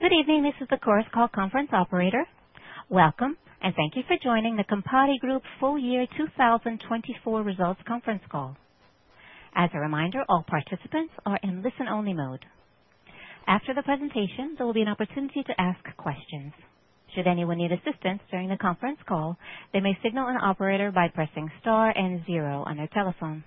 Good evening. This is the Chorus Call conference operator. Welcome, and thank you for joining the Campari Group Full Year 2024 Results Conference Call. As a reminder, all participants are in listen-only mode. After the presentation, there will be an opportunity to ask questions. Should anyone need assistance during the conference call, they may signal an operator by pressing star and zero on their telephone.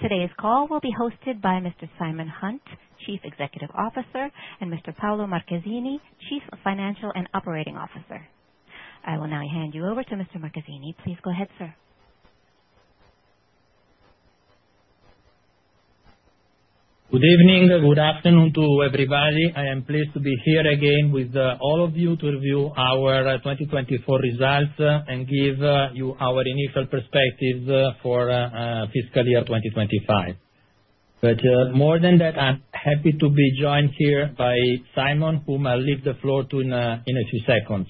Today's call will be hosted by Mr. Simon Hunt, Chief Executive Officer, and Mr. Paolo Marchesini, Chief Financial and Operating Officer. I will now hand you over to Mr. Marchesini. Please go ahead, sir. Good evening. good afternoon to everybody. I am pleased to be here again with all of you to review our 2024 results and give you our initial perspectives for fiscal year 2025. But more than that, I'm happy to be joined here by Simon, whom I'll leave the floor to in a few seconds.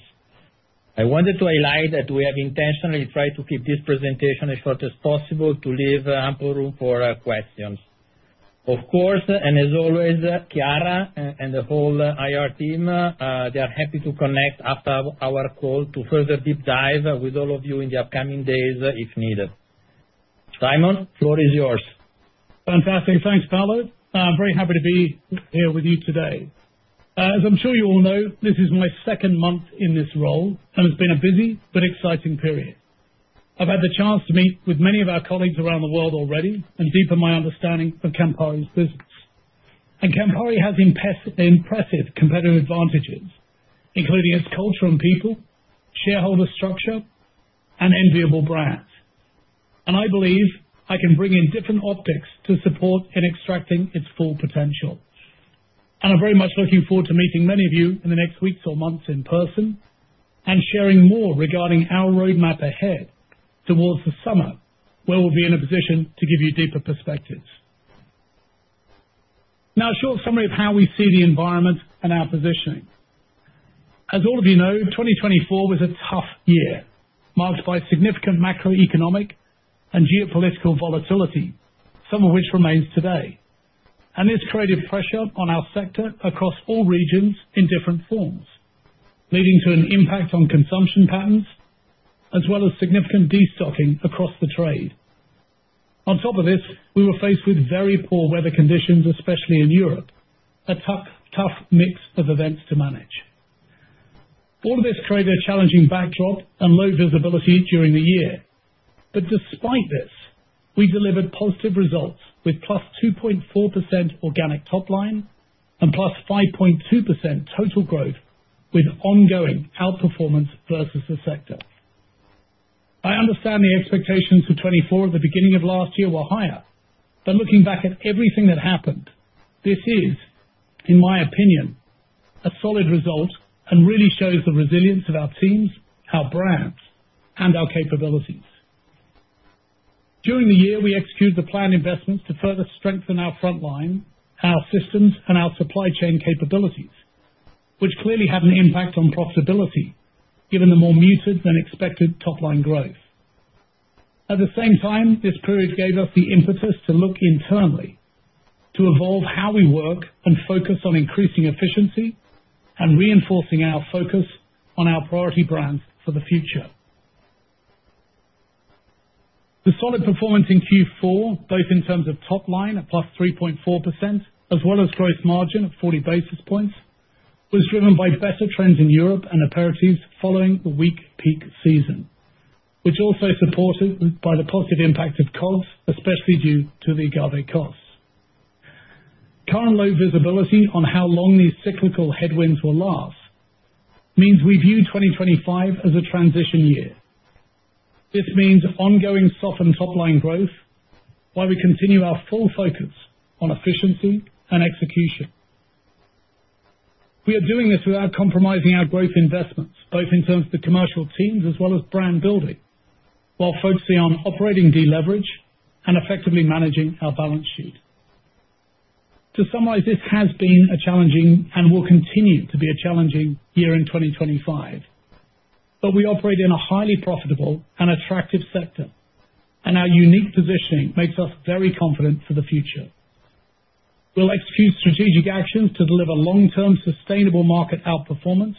I wanted to highlight that we have intentionally tried to keep this presentation as short as possible to leave ample room for questions. Of course, and as always, Chiara and the whole IR team, they are happy to connect after our call to further deep dive with all of you in the upcoming days if needed. Simon, the floor is yours. Fantastic. thanks, Paolo. I'm very happy to be here with you today. As I'm sure you all know, this is my second month in this role, and it's been a busy but exciting period. I've had the chance to meet with many of our colleagues around the world already and deepen my understanding of Campari's business, and Campari has impressive competitive advantages, including its culture and people, shareholder structure, and enviable brands. And I believe I can bring in different optics to support in extracting its full potential, and I'm very much looking forward to meeting many of you in the next weeks or months in person and sharing more regarding our roadmap ahead towards the summer, where we'll be in a position to give you deeper perspectives. Now, a short summary of how we see the environment and our positioning. As you all know, 2024 was a tough year, marked by significant macroeconomic and geopolitical volatility, some of which remains today. And this created pressure on our sector across all regions in different forms, leading to an impact on consumption patterns, as well as significant destocking across the trade. On top of this, we were faced with very poor weather conditions, especially in Europe, a tough mix of events to manage. All of this created a challenging backdrop and low visibility during the year. But despite this, we delivered positive results with plus 2.4% organic top line and plus 5.2% total growth with ongoing outperformance versus the sector. I understand the expectations for 2024 at the beginning of last year were higher, but looking back at everything that happened, this is, in my opinion, a solid result and really shows the resilience of our teams, our brands, and our capabilities. During the year, we executed the planned investments to further strengthen our front line, our systems, and our supply chain capabilities, which clearly had an impact on profitability, given the more muted than expected top line growth. At the same time, this period gave us the impetus to look internally, to evolve how we work and focus on increasing efficiency and reinforcing our focus on our priority brands for the future. The solid performance in Q4, both in terms of top line at +3.4%, as well as gross margin at 40 basis points, was driven by better trends in Europe and aperitifs following the weak peak season, which also supported by the positive impact of COGS, especially due to the Agave costs. Current low visibility on how long these cyclical headwinds will last means we view 2025 as a transition year. This means ongoing soft and top line growth, while we continue our full focus on efficiency and execution. We are doing this without compromising our growth investments, both in terms of the commercial teams as well as brand building, while focusing on operating deleverage and effectively managing our balance sheet. To summarize, this has been a challenging and will continue to be a challenging year in 2025, but we operate in a highly profitable and attractive sector, and our unique positioning makes us very confident for the future. We'll execute strategic actions to deliver long-term sustainable market outperformance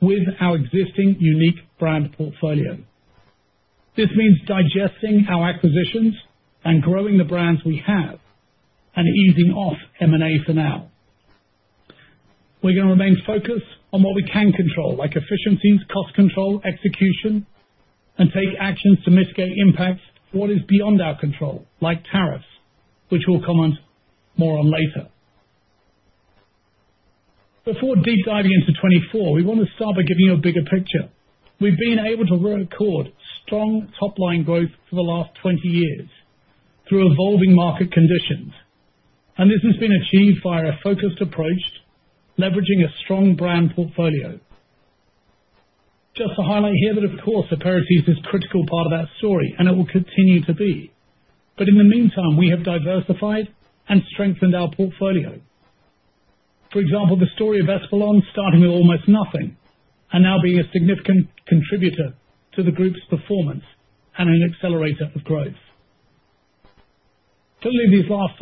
with our existing unique brand portfolio. This means digesting our acquisitions and growing the brands we have and easing off M&A for now. We're going to remain focused on what we can control, like efficiencies, cost control, execution, and take actions to mitigate impacts of what is beyond our control, like tariffs, which we'll comment more on later. Before deep diving into 2024, we want to start by giving you a bigger picture. We've been able to record strong top line growth for the last 20 years through evolving market conditions, and this has been achieved via a focused approach, leveraging a strong brand portfolio. Just to highlight here that, of course, aperitifs is a critical part of that story, and it will continue to be. But in the meantime, we have diversified and strengthened our portfolio. For example, the story of Espolòn, starting with almost nothing and now being a significant contributor to the group's performance and an accelerator of growth. Clearly, these last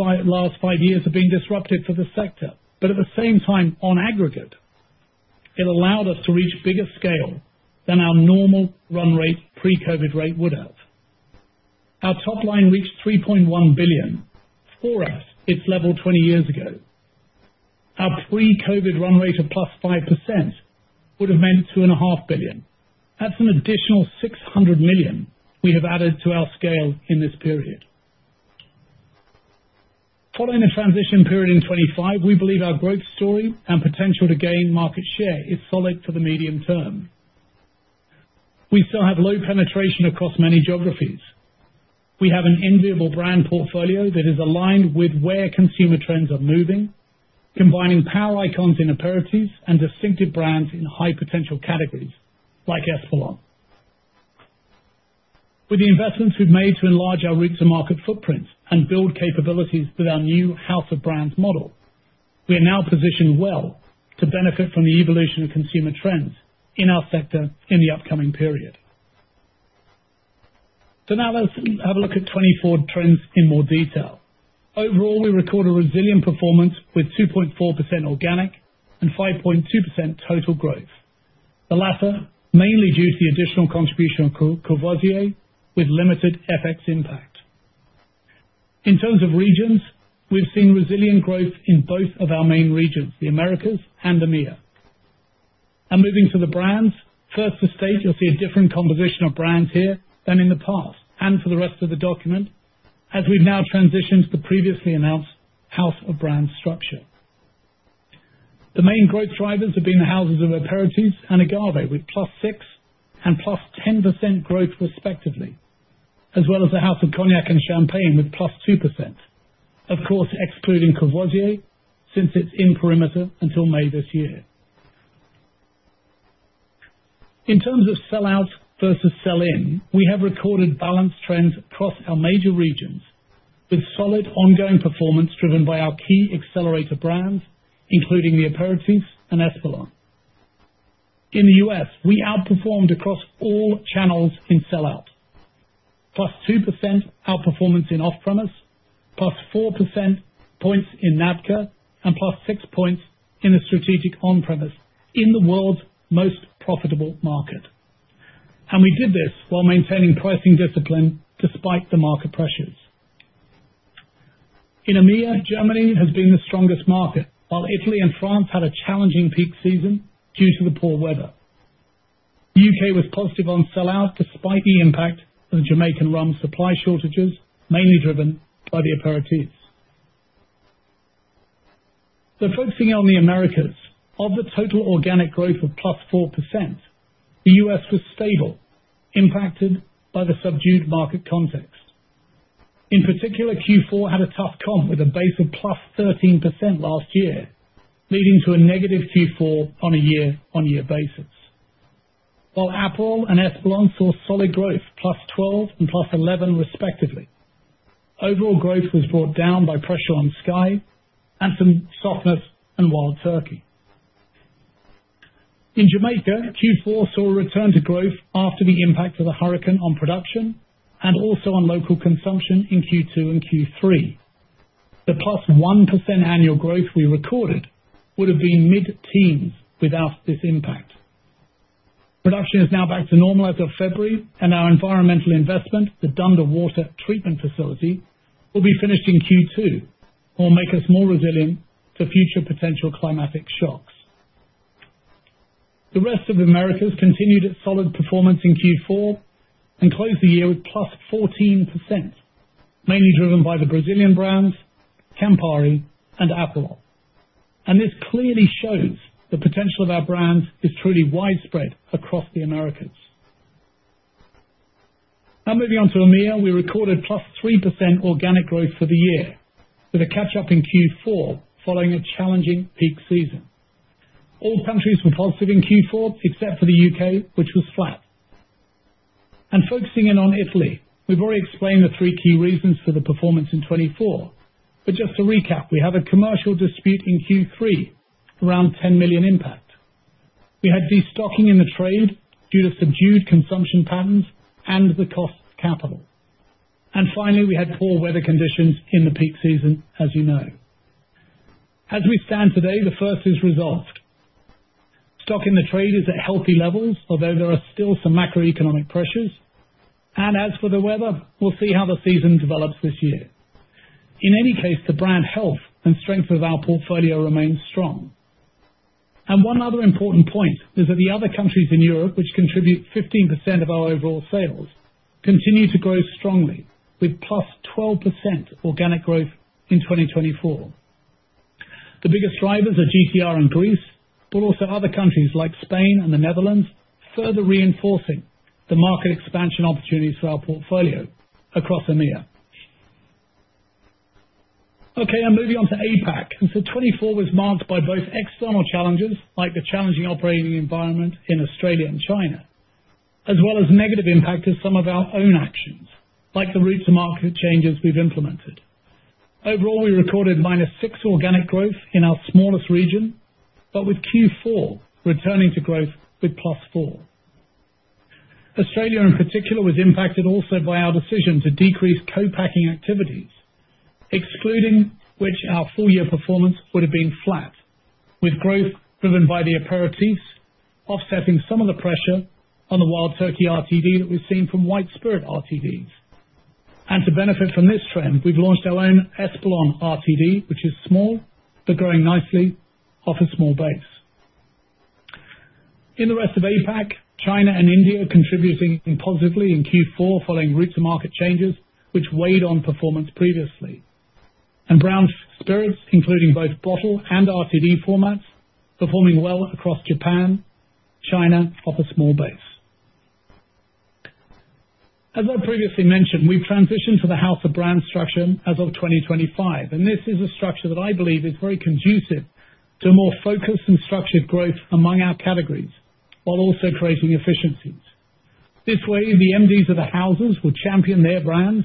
five years have been disruptive for the sector, but at the same time, on aggregate, it allowed us to reach bigger scale than our normal run rate, pre-COVID rate, would have. Our top line reached €3.1 billion. For us, it's level 20 years ago. Our pre-COVID run rate of +5% would have meant 2.5 billion. That's an additional 600 million we have added to our scale in this period. Following a transition period in 2025, we believe our growth story and potential to gain market share is solid for the medium term. We still have low penetration across many geographies. We have an enviable brand portfolio that is aligned with where consumer trends are moving, combining power icons in aperitifs and distinctive brands in high potential categories like Espolòn. With the investments we've made to enlarge our route-to-market footprint and build capabilities with our new house of brands model, we are now positioned well to benefit from the evolution of consumer trends in our sector in the upcoming period. So now let's have a look at 2024 trends in more detail. Overall, we record a resilient performance with 2.4% organic and 5.2% total growth, the latter mainly due to the additional contribution of Courvoisier with limited FX impact. In terms of regions, we've seen resilient growth in both of our main regions, the Americas and EMEA. And moving to the brands, first to state, you'll see a different composition of brands here than in the past and for the rest of the document, as we've now transitioned to the previously announced house of brands structure. The main growth drivers have been the houses of Aperitifs and Agave with +6% and +10% growth respectively, as well as the house of Cognac and Champagne with +2%, of course, excluding Courvoisier since it's in perimeter until May this year. In terms of sell-out versus sell-in, we have recorded balanced trends across our major regions with solid ongoing performance driven by our key accelerator brands, including the aperitifs and Espolòn. In the US, we outperformed across all channels in sell-out, +2% outperformance in off-premise, +4 percentage points in NABCA, and +6 p.p points in the strategic on-premise in the world's most profitable market. And we did this while maintaining pricing discipline despite the market pressures. In EMEA, Germany has been the strongest market, while Italy and France had a challenging peak season due to the poor weather. The UK was positive on sell-out despite the impact of the Jamaican rum supply shortages, mainly driven by the aperitifs. So focusing on the Americas, of the total organic growth of +4%, the US was stable, impacted by the subdued market context. In particular, Q4 had a tough comp with a base of +13% last year, leading to a negative Q4 on a year-on-year basis. While Aperol and Espolòn saw solid growth, +12% and +11% respectively, overall growth was brought down by pressure on SKYY and some softness and Wild Turkey. In Jamaica, Q4 saw a return to growth after the impact of the hurricane on production and also on local consumption in Q2 and Q3. The +1% annual growth we recorded would have been mid-teens without this impact. Production is now back to normal as of February, and our environmental investment, the Dunder Water Treatment Facility, will be finished in Q2 and will make us more resilient to future potential climatic shocks. The rest of the Americas continued solid performance in Q4 and closed the year with plus 14%, mainly driven by the Brazilian brands, Campari, and Aperol. This clearly shows the potential of our brands is truly widespread across the Americas. Now moving on to EMEA, we recorded +3% organic growth for the year, with a catch-up in Q4 following a challenging peak season. All countries were positive in Q4, except for the UK, which was flat. Focusing in on Italy, we've already explained the three key reasons for the performance in 2024, but just to recap, we had a commercial dispute in Q3 around €10 million impact. We had destocking in the trade due to subdued consumption patterns and the cost of capital. Finally, we had poor weather conditions in the peak season, as you know. As we stand today, the first is resolved. Stock in the trade is at healthy levels, although there are still some macroeconomic pressures. As for the weather, we'll see how the season develops this year. In any case, the brand health and strength of our portfolio remains strong. One other important point is that the other countries in Europe, which contribute 15% of our overall sales, continue to grow strongly with 12% organic growth in 2024. The biggest drivers are GTR and Greece, but also other countries like Spain and the Netherlands, further reinforcing the market expansion opportunities for our portfolio across EMEA. Okay, and moving on to APAC. 2024 was marked by both external challenges like the challenging operating environment in Australia and China, as well as negative impact of some of our own actions, like the route to market changes we've implemented. Overall, we recorded -6% organic growth in our smallest region, but with Q4 returning to growth with +4%. Australia, in particular, was impacted also by our decision to decrease co-packing activities, excluding which our full-year performance would have been flat, with growth driven by the aperitifs, offsetting some of the pressure on the Wild Turkey RTD that we've seen from white-spirit RTDs. And to benefit from this trend, we've launched our own Espolòn RTD, which is small but growing nicely off a small base. In the rest of APAC, China and India contributing positively in Q4 following route to market changes, which weighed on performance previously. And brown spirits, including both bottle and RTD formats, performing well across Japan, China, off a small base. As I previously mentioned, we've transitioned to the house of brands structure as of 2025, and this is a structure that I believe is very conducive to a more focused and structured growth among our categories while also creating efficiencies. This way, the MDs of the houses will champion their brands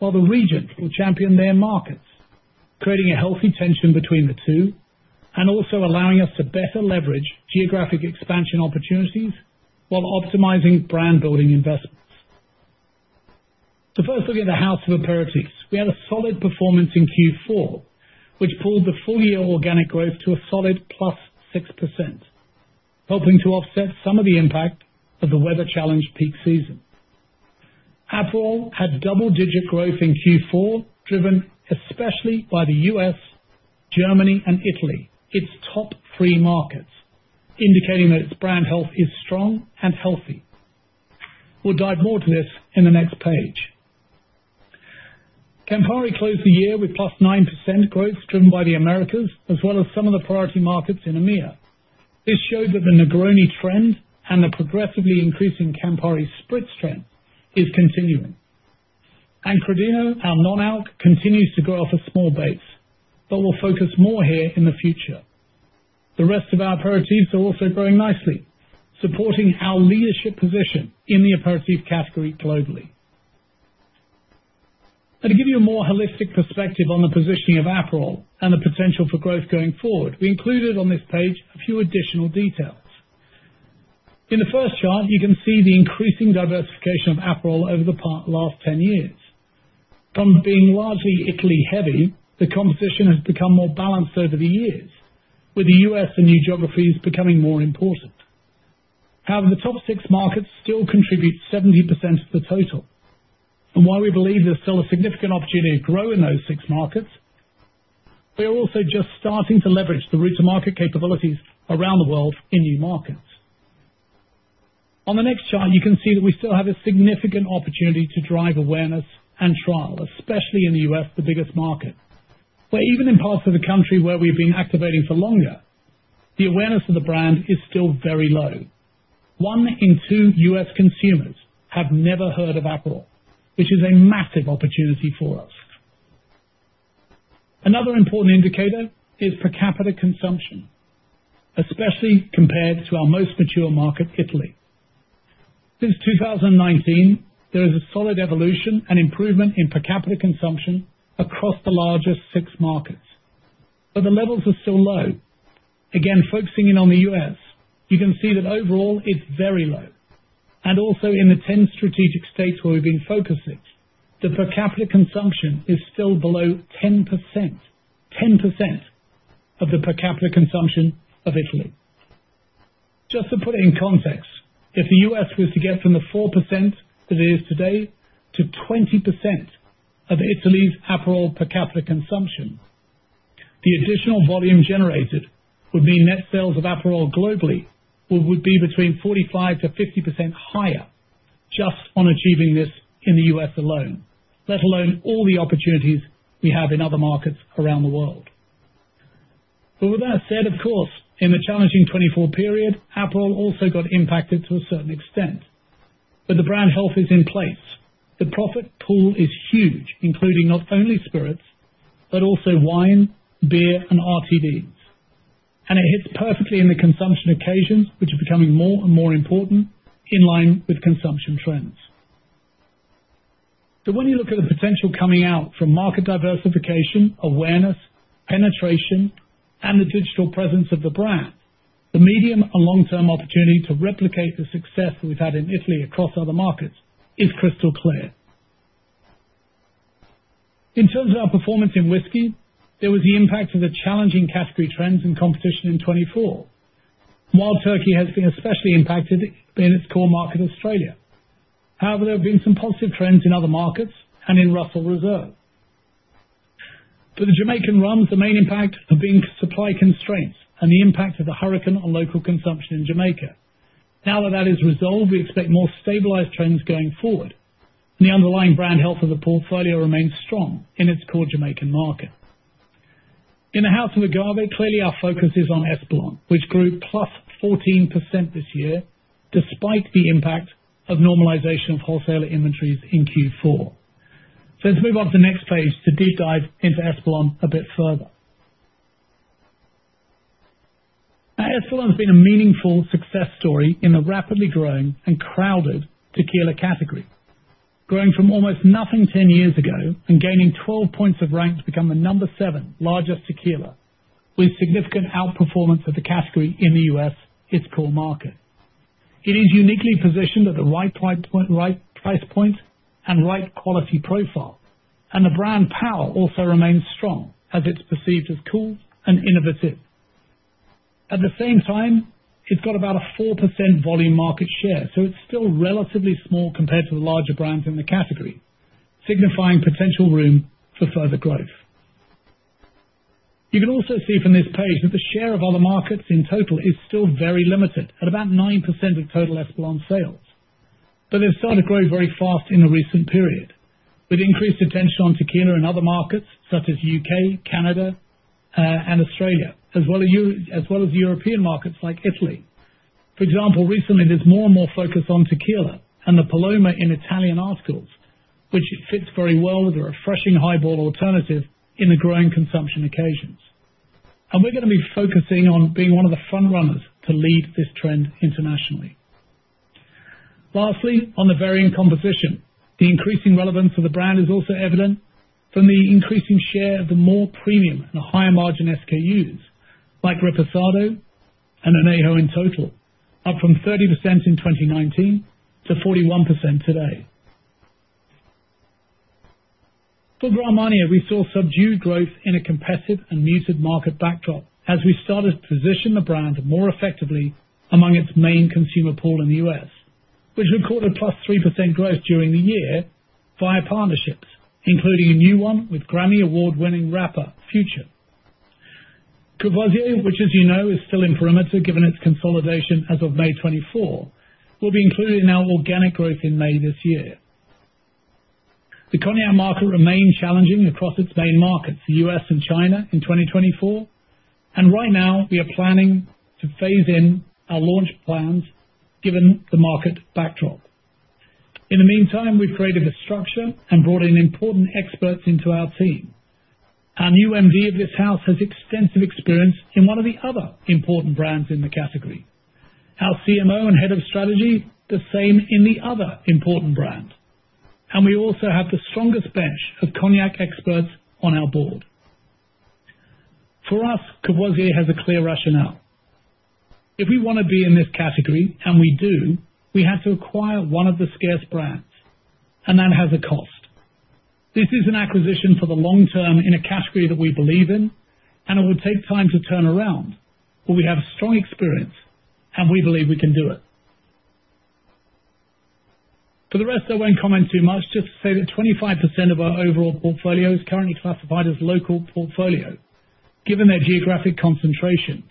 while the regions will champion their markets, creating a healthy tension between the two and also allowing us to better leverage geographic expansion opportunities while optimizing brand-building investments. So first, looking at the house of aperitifs, we had a solid performance in Q4, which pulled the full-year organic growth to a solid 6%, helping to offset some of the impact of the weather-challenged peak season. Aperol had double-digit growth in Q4, driven especially by the U.S., Germany, and Italy, its top three markets, indicating that its brand health is strong and healthy. We'll dive more into this in the next page. Campari closed the year with + 9% growth driven by the Americas, as well as some of the priority markets in EMEA. This showed that the Negroni trend and the progressively increasing Campari Spritz trend is continuing. And Crodino, our non-alc, continues to grow off a small base, but we'll focus more here in the future. The rest of our aperitifs are also growing nicely, supporting our leadership position in the aperitifs category globally. And to give you a more holistic perspective on the positioning of Aperol and the potential for growth going forward, we included on this page a few additional details. In the first chart, you can see the increasing diversification of Aperol over the past 10 years. From being largely Italy-heavy, the composition has become more balanced over the years, with the U.S. and new geographies becoming more important. However, the top six markets still contribute 70% of the total. While we believe there's still a significant opportunity to grow in those six markets, we are also just starting to leverage the route to market capabilities around the world in new markets. On the next chart, you can see that we still have a significant opportunity to drive awareness and trial, especially in the U.S., the biggest market, where even in parts of the country where we've been activating for longer, the awareness of the brand is still very low. One in two U.S. consumers have never heard of Aperol, which is a massive opportunity for us. Another important indicator is per capita consumption, especially compared to our most mature market, Italy. Since 2019, there is a solid evolution and improvement in per capita consumption across the largest six markets, but the levels are still low. Again, focusing in on the U.S., you can see that overall it's very low. And also in the 10 strategic states where we've been focusing, the per capita consumption is still below 10% - 10% of the per capita consumption of Italy. Just to put it in context, if the U.S. was to get from the 4% today to 20% of Italy's aperitifs per capita consumption, the additional volume generated would mean net sales of aperitifs globally would be between 45% to 50% higher just on achieving this in the U.S. alone, let alone all the opportunities we have in other markets around the world. But with that said, of course, in the challenging 2024 period, Aperol also got impacted to a certain extent. The brand health is in place. The profit pool is huge, including not only spirits, but also wine, beer, and RTDs. It hits perfectly in the consumption occasions, which are becoming more and more important in line with consumption trends. When you look at the potential coming out from market diversification, awareness, penetration, and the digital presence of the brand, the medium and long-term opportunity to replicate the success we've had in Italy across other markets is crystal clear. In terms of our performance in whisky, there was the impact of the challenging category trends and competition in 2024. Wild Turkey has been especially impacted in its core market, Australia. However, there have been some positive trends in other markets and in Russell's Reserve. For the Jamaican rums, the main impact has been supply constraints and the impact of the hurricane on local consumption in Jamaica. Now that that is resolved, we expect more stabilized trends going forward. The underlying brand health of the portfolio remains strong in its core Jamaican market. In the house of Agave, clearly our focus is on Espolòn, which grew +14% this year despite the impact of normalization of wholesale inventories in Q4. So let's move on to the next page to deep dive into Espolòn a bit further. Espolòn has been a meaningful success story in the rapidly growing and crowded tequila category, growing from almost nothing 10 years ago and gaining 12 points of rank to become the number seven largest tequila, with significant outperformance of the category in the U.S., its core market. It is uniquely positioned at the right price point and right quality profile, and the brand power also remains strong as it's perceived as cool and innovative. At the same time, it's got about a 4% volume market share, so it's still relatively small compared to the larger brands in the category, signifying potential room for further growth. You can also see from this page that the share of other markets in total is still very limited at about 9% of total Espolòn sales, but they've started to grow very fast in a recent period, with increased attention on tequila in other markets such as UK, Canada, and Australia, as well as European markets like Italy. For example, recently there's more and more focus on tequila and the Paloma in Italian articles, which fits very well with a refreshing highball alternative in the growing consumption occasions, and we're going to be focusing on being one of the front runners to lead this trend internationally. Lastly, on the varying composition, the increasing relevance of the brand is also evident from the increasing share of the more premium and higher-margin SKUs like Reposado and Añejo in total, up from 30% in 2019 to 41% today. For Grand Marnier, we saw subdued growth in a competitive and muted market backdrop as we started to position the brand more effectively among its main consumer pool in the U.S., which recorded plus 3% growth during the year via partnerships, including a new one with Grammy Award-winning rapper Future. Courvoisier, which, as you know, is still in perimeter given its consolidation as of May 2024, will be included in our organic growth in May this year. The Cognac market remained challenging across its main markets, the U.S. and China, in 2024, and right now we are planning to phase in our launch plans given the market backdrop. In the meantime, we've created a structure and brought in important experts into our team. Our new MD of this house has extensive experience in one of the other important brands in the category, our CMO and head of strategy, the same in the other important brand, and we also have the strongest bench of Cognac experts on our board. For us, Courvoisier has a clear rationale. If we want to be in this category, and we do, we have to acquire one of the scarce brands, and that has a cost. This is an acquisition for the long-term in a category that we believe in, and it will take time to turn around, but we have strong experience, and we believe we can do it. For the rest, I won't comment too much, just to say that 25% of our overall portfolio is currently classified as local portfolio, given their geographic concentration,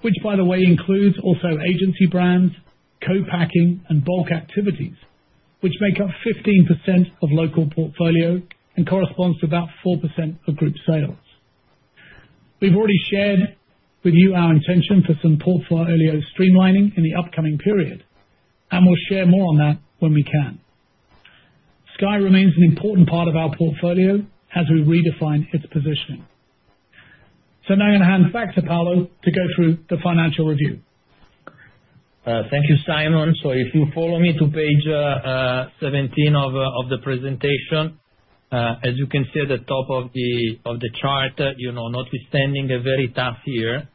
which, by the way, includes also agency brands, copacking, and bulk activities, which make up 15% of local portfolio and corresponds to about 4% of group sales. We've already shared with you our intention for some portfolio streamlining in the upcoming period, and we'll share more on that when we can. SKYY remains an important part of our portfolio as we redefine its positioning. So now I'm going to hand back to Paolo to go through the financial review. Thank you, Simon. So if you follow me to page 17 of the presentation, as you can see at the top of the chart, notwithstanding a very tough year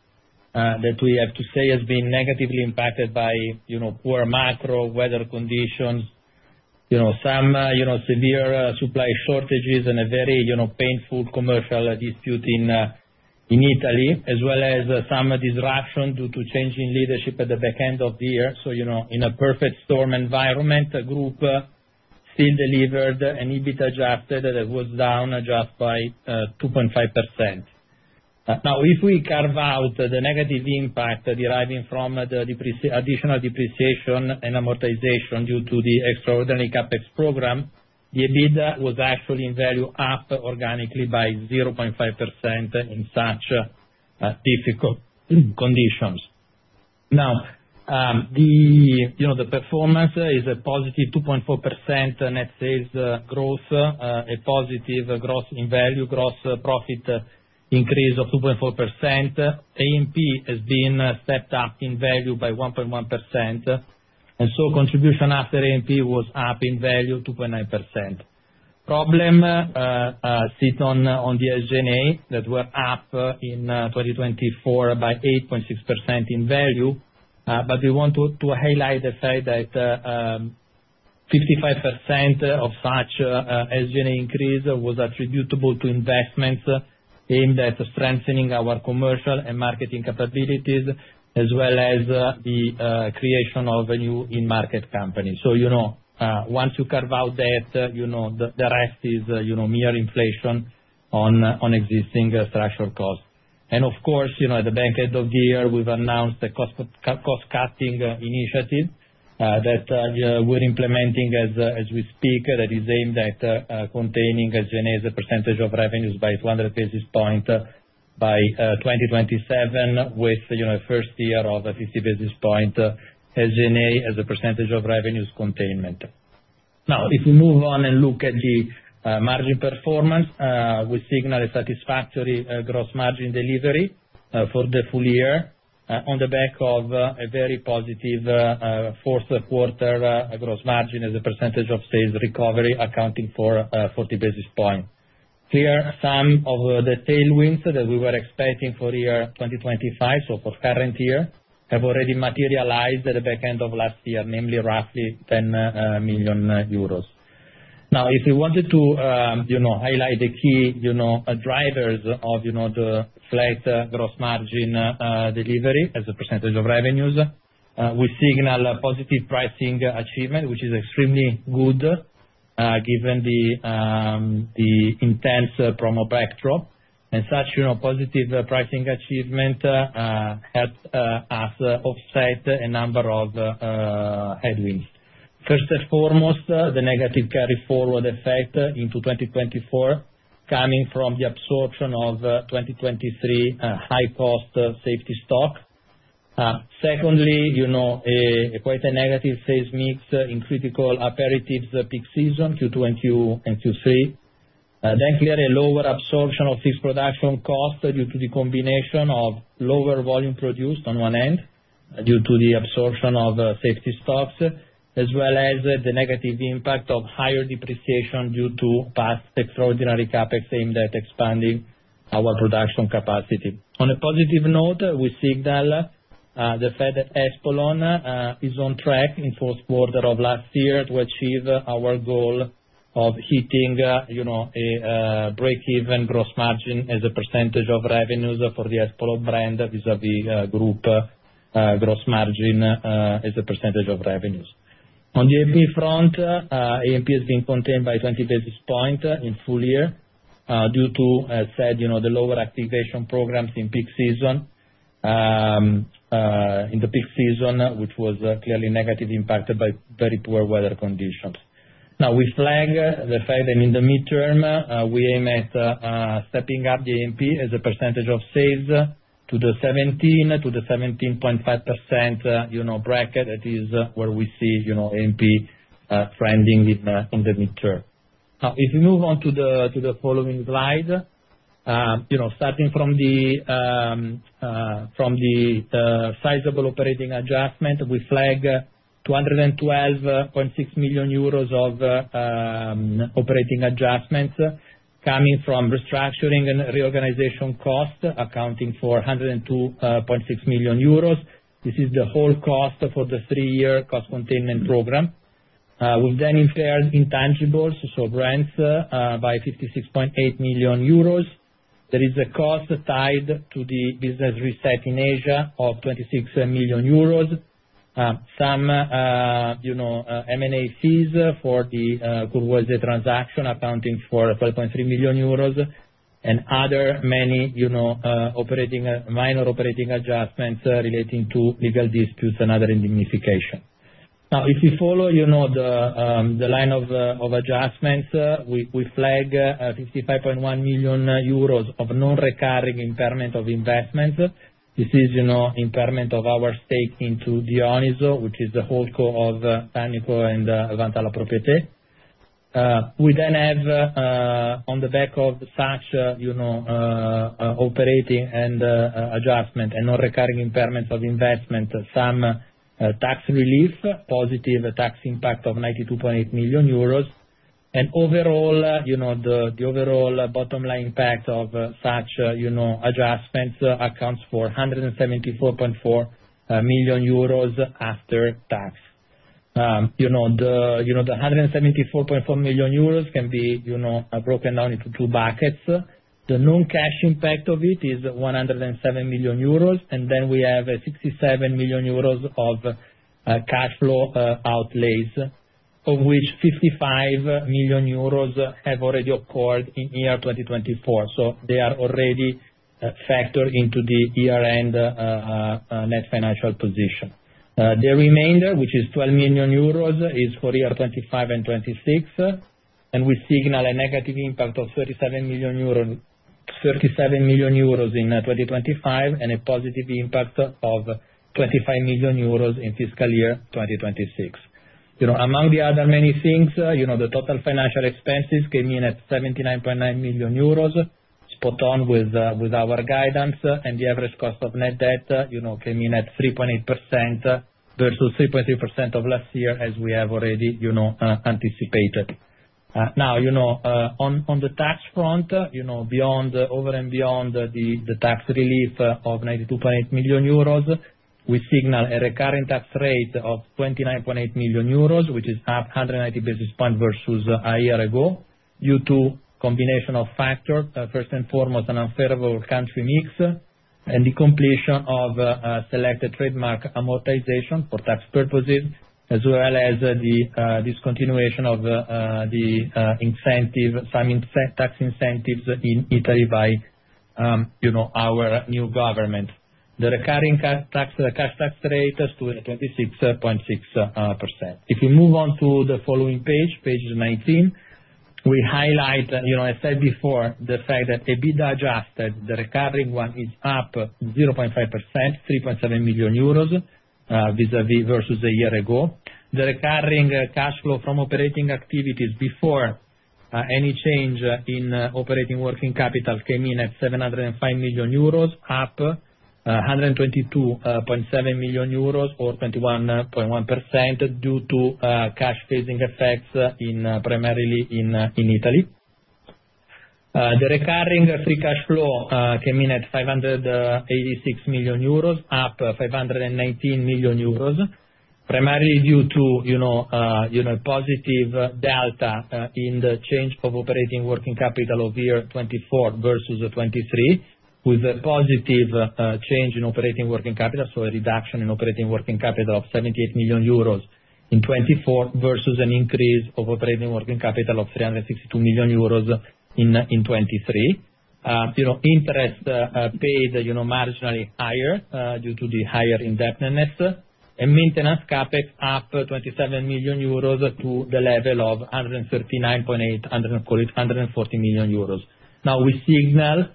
that we have to say has been negatively impacted by poor macro weather conditions, some severe supply shortages, and a very painful commercial dispute in Italy, as well as some disruption due to changing leadership at the back end of the year. So in a perfect storm environment, the group still delivered an EBIT adjusted that was down just by 2.5%. Now, if we carve out the negative impact deriving from the additional depreciation and amortization due to the extraordinary CapEx program, the EBIT was actually in value up organically by 0.5% in such difficult conditions. Now, the performance is a positive 2.4% net sales growth, a positive gross in value, gross profit increase of 2.4%. A&P has been stepped up in value by 1.1%. And so contribution after A&P was up in value 2.9%. The problem sits on the SG&A that were up in 2024 by 8.6% in value, but we want to highlight the fact that 55% of such SG&A increase was attributable to investments aimed at strengthening our commercial and marketing capabilities, as well as the creation of a new in-market company. So once you carve out that, the rest is mere inflation on existing structural costs. And of course, at the back end of the year, we've announced a cost-cutting initiative that we're implementing as we speak that is aimed at containing SG&A as a percentage of revenues by 200 basis points by 2027, with a first year of a 50 basis point SG&A as a percentage of revenues containment. Now, if we move on and look at the margin performance, we signal a satisfactory gross margin delivery for the full year on the back of a very positive fourth quarter gross margin as a percentage of sales recovery accounting for 40 basis points. Here, some of the tailwinds that we were expecting for year 2025, so for current year, have already materialized at the back end of last year, namely roughly €10 million. Now, if we wanted to highlight the key drivers of the flat gross margin delivery as a percentage of revenues, we signal positive pricing achievement, which is extremely good given the intense promo backdrop. And such positive pricing achievement helped us offset a number of headwinds. First and foremost, the negative carry-forward effect into 2024 coming from the absorption of 2023 high-cost safety stock. Secondly, quite a negative sales mix in critical aperitifs peak season, Q2 and Q3. Then, clearly a lower absorption of fixed production costs due to the combination of lower volume produced on one end due to the absorption of safety stocks, as well as the negative impact of higher depreciation due to past extraordinary CapEx aimed at expanding our production capacity. On a positive note, we signal the fact that Espolòn is on track in fourth quarter of last year to achieve our goal of hitting a break even gross margin as a percentage of revenues for the Espolòn brand vis-à-vis group gross margin as a percentage of revenues. On the A&P front, A&P has been contained by 20 basis points in full year due to, as said, the lower activation programs in peak season, which was clearly negatively impacted by very poor weather conditions. Now, we flag the fact that in the midterm, we aim at stepping up the A&P as a percentage of sales to the 17%-17.5% bracket. That is where we see A&P trending in the midterm. Now, if we move on to the following slide, starting from the sizable operating adjustment, we flag 212.6 million euros of operating adjustments coming from restructuring and reorganization costs accounting for 102.6 million euros. This is the whole cost for the three-year cost containment program. We've then incurred intangibles, so rents, by 56.8 million euros. There is a cost tied to the business reset in Asia of 26 million euros. Some M&A fees for the Courvoisier transaction accounting for 12.3 million euros and other many minor operating adjustments relating to legal disputes and other indemnification. Now, if you follow the line of adjustments, we flag €55.1 million of non-recurring impairment of investments. This is impairment of our stake into Dioniso, which is the hold co of Tannico and Vente à la Propriété. We then have, on the back of such operating and adjustment and non-recurring impairments of investment, some tax relief, positive tax impact of €92.8 million. And overall, the overall bottom-line impact of such adjustments accounts for €174.4 million after tax. The €174.4 million can be broken down into two buckets. The non-cash impact of it is €107 million. And then we have 67 million euros of cash flow outlays, of which €55 million have already occurred in year 2024. So they are already factored into the year-end net financial position. The remainder, which is €12 million, is for year 2025 and 2026. We signal a negative impact of €37 million in 2025 and a positive impact of €25 million in fiscal year 2026. Among the other many things, the total financial expenses came in at €79.9 million, spot-on with our guidance, and the average cost of net debt came in at 3.8% versus 3.3% of last year, as we have already anticipated. Now, on the tax front, over and beyond the tax relief of €92.8 million, we signal a recurring tax rate of €29.8 million, which is up 190 basis points versus a year ago due to a combination of factors, first and foremost, an unfavorable country mix, and the completion of selected trademark amortization for tax purposes, as well as the discontinuation of some tax incentives in Italy by our new government. The recurring cash tax rate is 26.6%. If we move on to the following page, page 19, we highlight, as said before, the fact that EBITDA adjusted, the recurring one is up 0.5%, €3.7 million versus a year ago. The recurring cash flow from operating activities before any change in operating working capital came in at €705 million, up €122.7 million or 21.1% due to cash phasing effects primarily in Italy. The recurring free cash flow came in at €586 million, up €519 million, primarily due to a positive delta in the change of operating working capital of year 2024 versus 2023, with a positive change in operating working capital, so a reduction in operating working capital of €78 million in 2024 versus an increase of operating working capital of €362 million in 2023. Interest paid marginally higher due to the higher indebtedness, and maintenance CapEx up €27 million to the level of €139.8-140 million. Now, we signal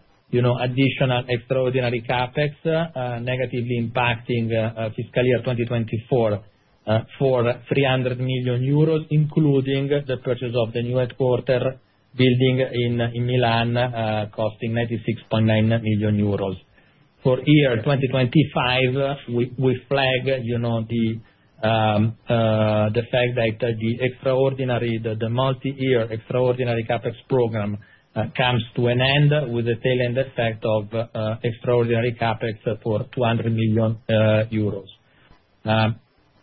additional extraordinary CapEx negatively impacting fiscal year 2024 for €300 million, including the purchase of the new headquarters building in Milan costing 96.9 million euros. For year 2025, we flag the fact that the multi-year extraordinary CapEx program comes to an end with a tail-end effect of extraordinary CapEx for €200 million.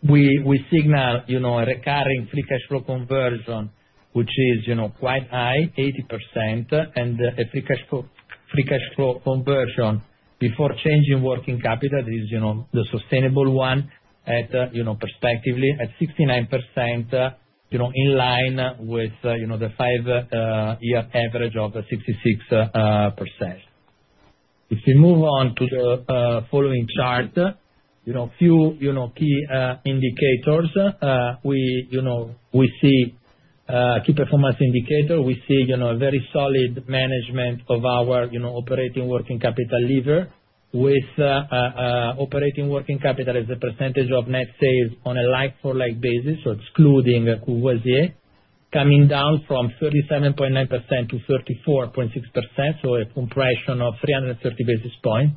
We signal a recurring free cash flow conversion, which is quite high, 80%, and a free cash flow conversion before changing working capital is the sustainable one prospectively at 69% in line with the five-year average of 66%. If we move on to the following chart, a few key indicators. We see key performance indicator. We see a very solid management of our operating working capital lever with operating working capital as a percentage of net sales on a like-for-like basis, so excluding Courvoisier, coming down from 37.9% to 34.6%, so a compression of 330 basis points.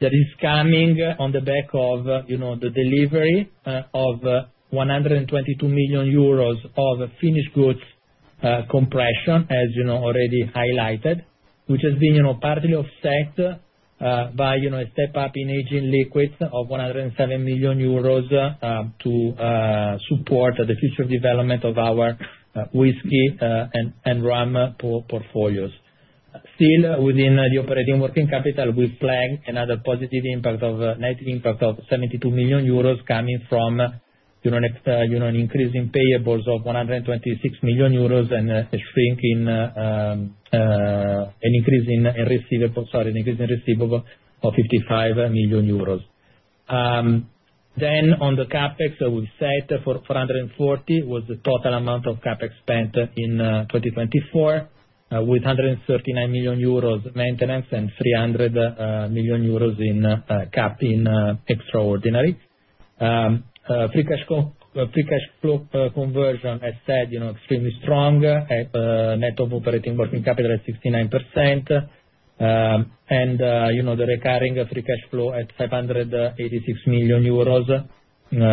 That is coming on the back of the delivery of 122 million euros of finished goods compression, as already highlighted, which has been partly offset by a step-up in aging liquids of 107 million euros to support the future development of our whiskey and rum portfolios. Still, within the operating working capital, we flag another positive impact of a net impact of 72 million euros coming from an increase in payables of 126 million euros and an increase in receivable, sorry, an increase in receivable of 55 million euros. Then, on the CapEx, we spent €440 million, which was the total amount of CapEx spent in 2024, with €139 million maintenance and €300 million in extraordinary. Free cash flow conversion, as said, extremely strong at net of operating working capital at 69%, and the recurring free cash flow at €586 million,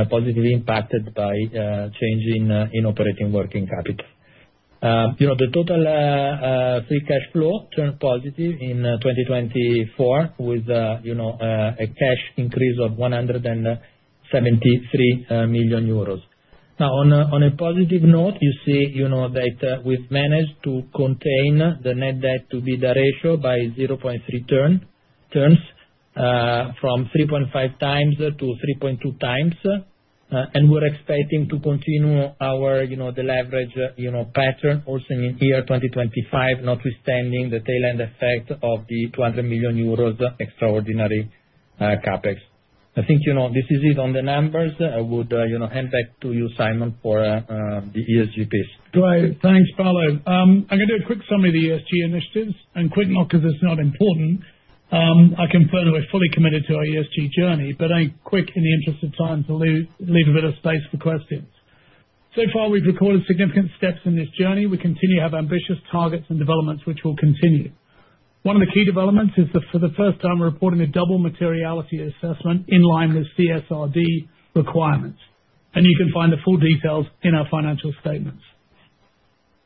positively impacted by change in operating working capital. The total free cash flow turned positive in 2024 with a cash increase of €173 million. Now, on a positive note, you see that we've managed to contain the net debt-to-EBITDA ratio by 0.3 times from 3.5 times to 3.2 times. And we're expecting to continue the leverage pattern also in 2025, notwithstanding the tail-end effect of the €200 million extraordinary CapEx. I think this is it on the numbers. I would hand back to you, Simon, for the ESG piece. Great. Thanks, Paolo. I'm going to do a quick summary of the ESG initiatives. And quick note, because it's not important, I confirm that we're fully committed to our ESG journey. But I'm quick, in the interest of time, to leave a bit of space for questions. So far, we've recorded significant steps in this journey. We continue to have ambitious targets and developments which will continue. One of the key developments is that, for the first time, we're reporting a double materiality assessment in line with CSRD requirements. And you can find the full details in our financial statements.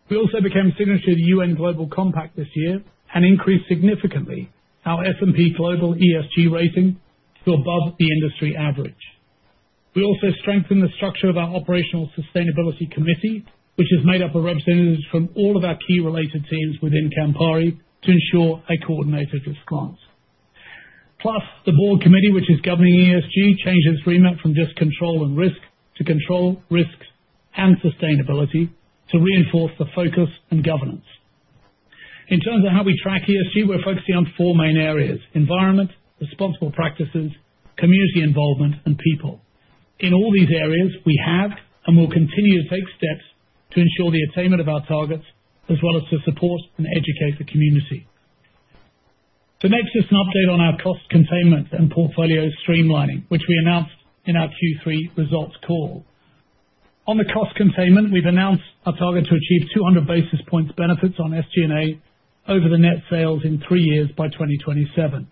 We also became a signatory to the UN Global Compact this year and increased significantly our S&P Global ESG rating to above the industry average. We also strengthened the structure of our Operational Sustainability Committee, which is made up of representatives from all of our key related teams within Campari to ensure a coordinated response. Plus, the board committee, which is governing ESG, changed its remit from just control and risk to control, risks, and sustainability to reinforce the focus and governance. In terms of how we track ESG, we're focusing on four main areas: environment, responsible practices, community involvement, and people. In all these areas, we have and will continue to take steps to ensure the attainment of our targets, as well as to support and educate the community. So next, just an update on our cost containment and portfolio streamlining, which we announced in our Q3 results call. On the cost containment, we've announced our target to achieve 200 basis points benefits on SG&A over the net sales in three years by 2027.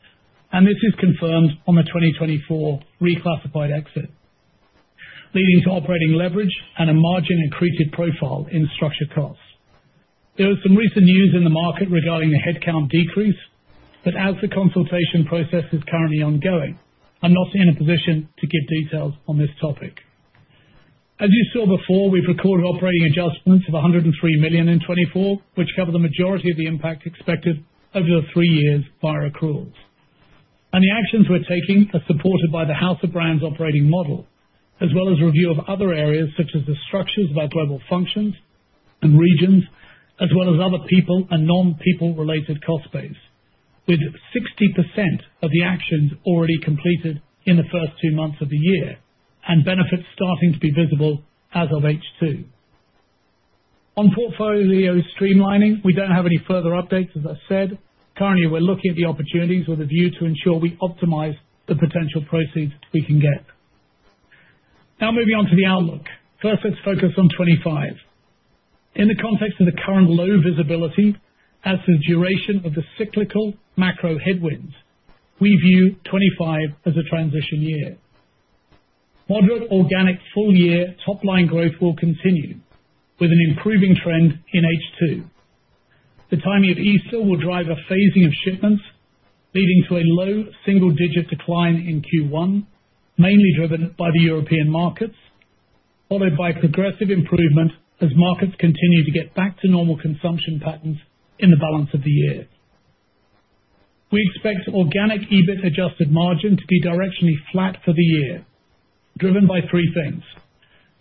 This is confirmed on the 2024 reclassified EBIT, leading to operating leverage and a margin-increased profile in structure costs. There was some recent news in the market regarding the headcount decrease, but as the consultation process is currently ongoing, I'm not in a position to give details on this topic. As you saw before, we've recorded operating adjustments of 103 million in 2024, which cover the majority of the impact expected over the three years via accruals. The actions we're taking are supported by the House of Brands operating model, as well as review of other areas such as the structures of our global functions and regions, as well as other people and non-people-related cost base, with 60% of the actions already completed in the first two months of the year and benefits starting to be visible as of H2. On portfolio streamlining, we don't have any further updates, as I said. Currently, we're looking at the opportunities with a view to ensure we optimize the potential proceeds we can get. Now, moving on to the outlook. First, let's focus on 2025. In the context of the current low visibility as to the duration of the cyclical macro headwinds, we view 2025 as a transition year. Moderate organic full-year top-line growth will continue with an improving trend in H2. The timing of Easter will drive a phasing of shipments, leading to a low single-digit decline in Q1, mainly driven by the European markets, followed by progressive improvement as markets continue to get back to normal consumption patterns in the balance of the year. We expect organic EBIT adjusted margin to be directionally flat for the year, driven by three things.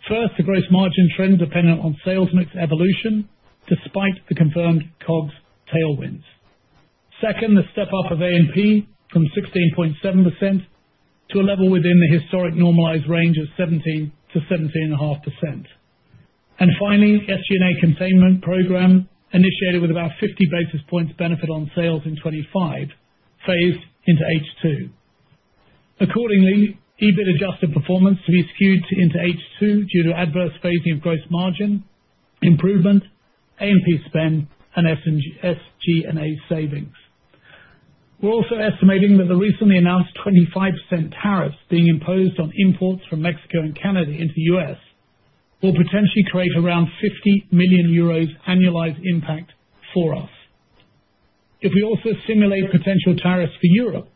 First, the gross margin trend dependent on sales mix evolution despite the confirmed COGS tailwinds. Second, the step-up of A&P from 16.7% to a level within the historic normalized range of 17%-17.5%. And finally, SG&A containment program initiated with about 50 basis points benefit on sales in 2025, phased into H2. Accordingly, EBIT adjusted performance to be skewed into H2 due to adverse phasing of gross margin, improvement, A&P spend, and SG&A savings. We're also estimating that the recently announced 25% tariffs being imposed on imports from Mexico and Canada into the U.S. will potentially create around €50 million annualized impact for us. If we also simulate potential tariffs for Europe,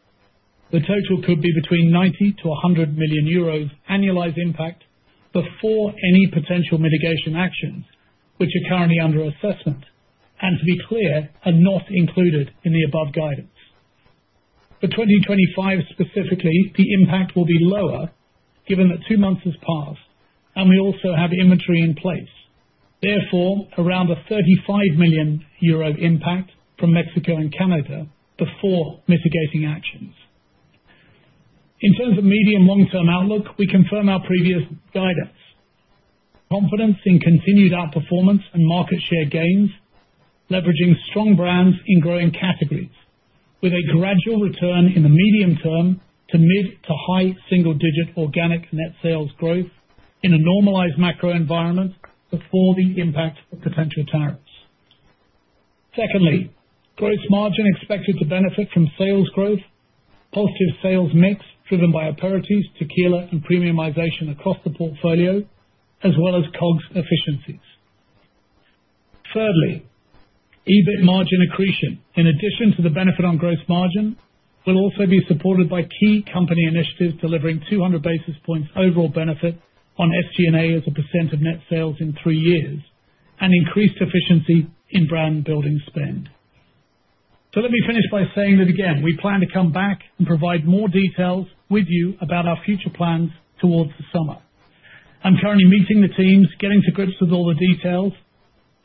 the total could be between €90 million- €100 million annualized impact before any potential mitigation actions, which are currently under assessment and, to be clear, are not included in the above guidance. For 2025 specifically, the impact will be lower given that two months have passed and we also have inventory in place. Therefore, around 35 million euro impact from Mexico and Canada before mitigating actions. In terms of medium-long-term outlook, we confirm our previous guidance: confidence in continued outperformance and market share gains, leveraging strong brands in growing categories, with a gradual return in the medium term to mid to high single-digit organic net sales growth in a normalized macro environment before the impact of potential tariffs. Secondly, gross margin expected to benefit from sales growth, positive sales mix driven by aperitifs, tequila, and premiumization across the portfolio, as well as COGS efficiencies. Thirdly, EBIT margin accretion, in addition to the benefit on gross margin, will also be supported by key company initiatives delivering 200 basis points overall benefit on SG&A as a % of net sales in three years and increased efficiency in brand building spend. So let me finish by saying that, again, we plan to come back and provide more details with you about our future plans towards the summer. I'm currently meeting the teams, getting to grips with all the details,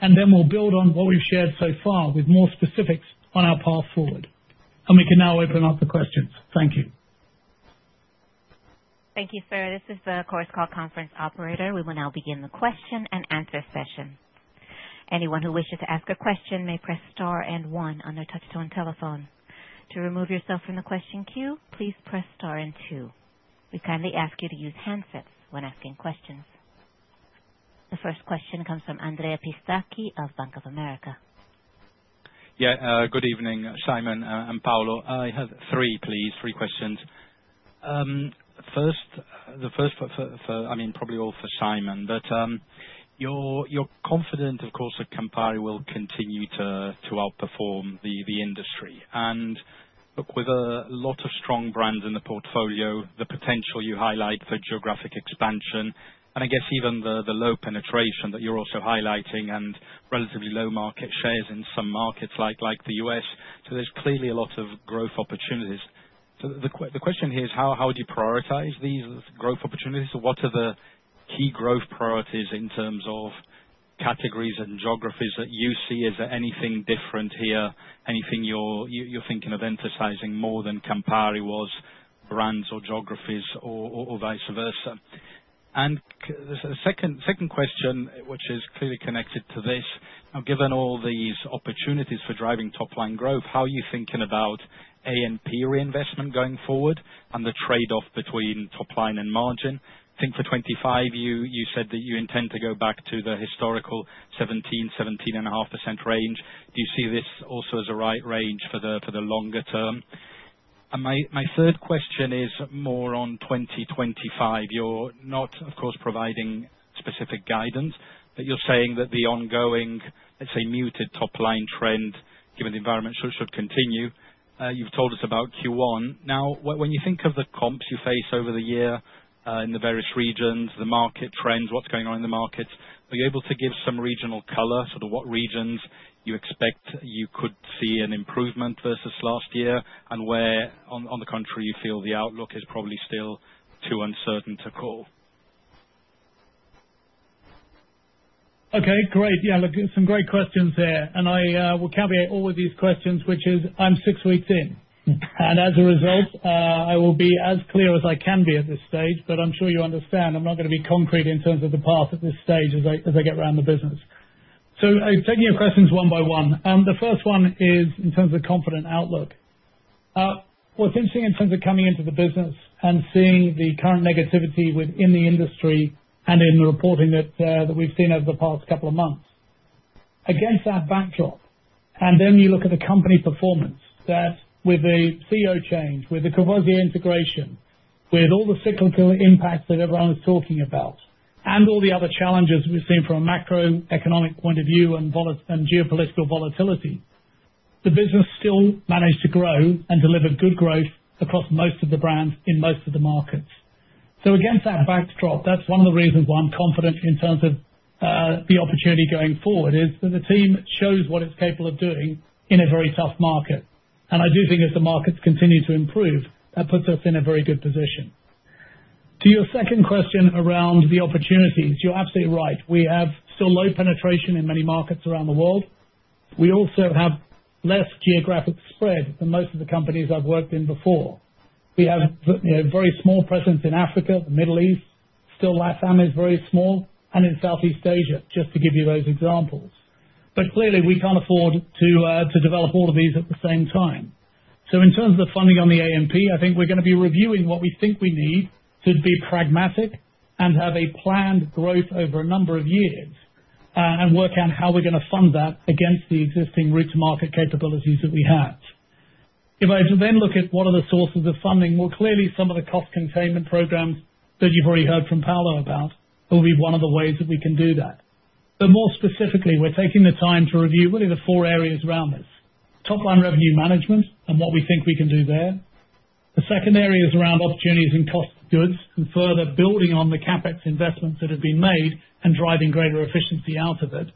and then we'll build on what we've shared so far with more specifics on our path forward. And we can now open up the questions. Thank you. Thank you, sir. This is the Chorus Call conference operator. We will now begin the question and answer session. Anyone who wishes to ask a question may press star and one on their touch-tone telephone. To remove yourself from the question queue, please press star and two. We kindly ask you to use handsets when asking questions. The first question comes from Andrea Pistacchi of Bank of America. Yeah, good evening, Simon and Paolo. I have three, please, three questions. First, the first for, I mean, probably all for Simon, but you're confident, of course, that Campari will continue to outperform the industry. And look, with a lot of strong brands in the portfolio, the potential you highlight for geographic expansion, and I guess even the low penetration that you're also highlighting and relatively low market shares in some markets like the US, so there's clearly a lot of growth opportunities. So the question here is, how would you prioritize these growth opportunities? What are the key growth priorities in terms of categories and geographies that you see? Is there anything different here, anything you're thinking of emphasizing more than Campari was, brands or geographies or vice versa? And the second question, which is clearly connected to this, given all these opportunities for driving top-line growth, how are you thinking about A&P reinvestment going forward and the trade-off between top-line and margin? I think for 2025, you said that you intend to go back to the historical 17%-17.5% range. Do you see this also as a right range for the longer term? And my third question is more on 2025. You're not, of course, providing specific guidance, but you're saying that the ongoing, let's say, muted top-line trend, given the environment, should continue. You've told us about Q1. Now, when you think of the comps you face over the year in the various regions, the market trends, what's going on in the markets, are you able to give some regional color, sort of what regions you expect you could see an improvement versus last year and where, on the contrary, you feel the outlook is probably still too uncertain to call? Okay, great. Yeah, look, some great questions there, and I will caveat all of these questions, which is I'm six weeks in. And as a result, I will be as clear as I can be at this stage, but I'm sure you understand I'm not going to be concrete in terms of the path at this stage as I get around the business, so taking your questions one by one, the first one is in terms of the confident outlook. What's interesting in terms of coming into the business and seeing the current negativity within the industry and in the reporting that we've seen over the past couple of months. Against that backdrop, and then you look at the company performance that, with the CEO change, with the Courvoisier integration, with all the cyclical impacts that everyone is talking about, and all the other challenges we've seen from a macroeconomic point of view and geopolitical volatility, the business still managed to grow and deliver good growth across most of the brands in most of the markets. So against that backdrop, that's one of the reasons why I'm confident in terms of the opportunity going forward is that the team shows what it's capable of doing in a very tough market. And I do think as the markets continue to improve, that puts us in a very good position. To your second question around the opportunities, you're absolutely right. We have still low penetration in many markets around the world. We also have less geographic spread than most of the companies I've worked in before. We have a very small presence in Africa, the Middle East, still LATAM is very small, and in Southeast Asia, just to give you those examples. But clearly, we can't afford to develop all of these at the same time. So in terms of the funding on the A&P, I think we're going to be reviewing what we think we need to be pragmatic and have a planned growth over a number of years and work out how we're going to fund that against the existing route-to-market capabilities that we have. If I then look at what are the sources of funding, more clearly, some of the cost containment programs that you've already heard from Paolo about will be one of the ways that we can do that. But more specifically, we're taking the time to review really the four areas around this: top-line revenue management and what we think we can do there. The second area is around opportunities in cost of goods and further building on the CapEx investments that have been made and driving greater efficiency out of it.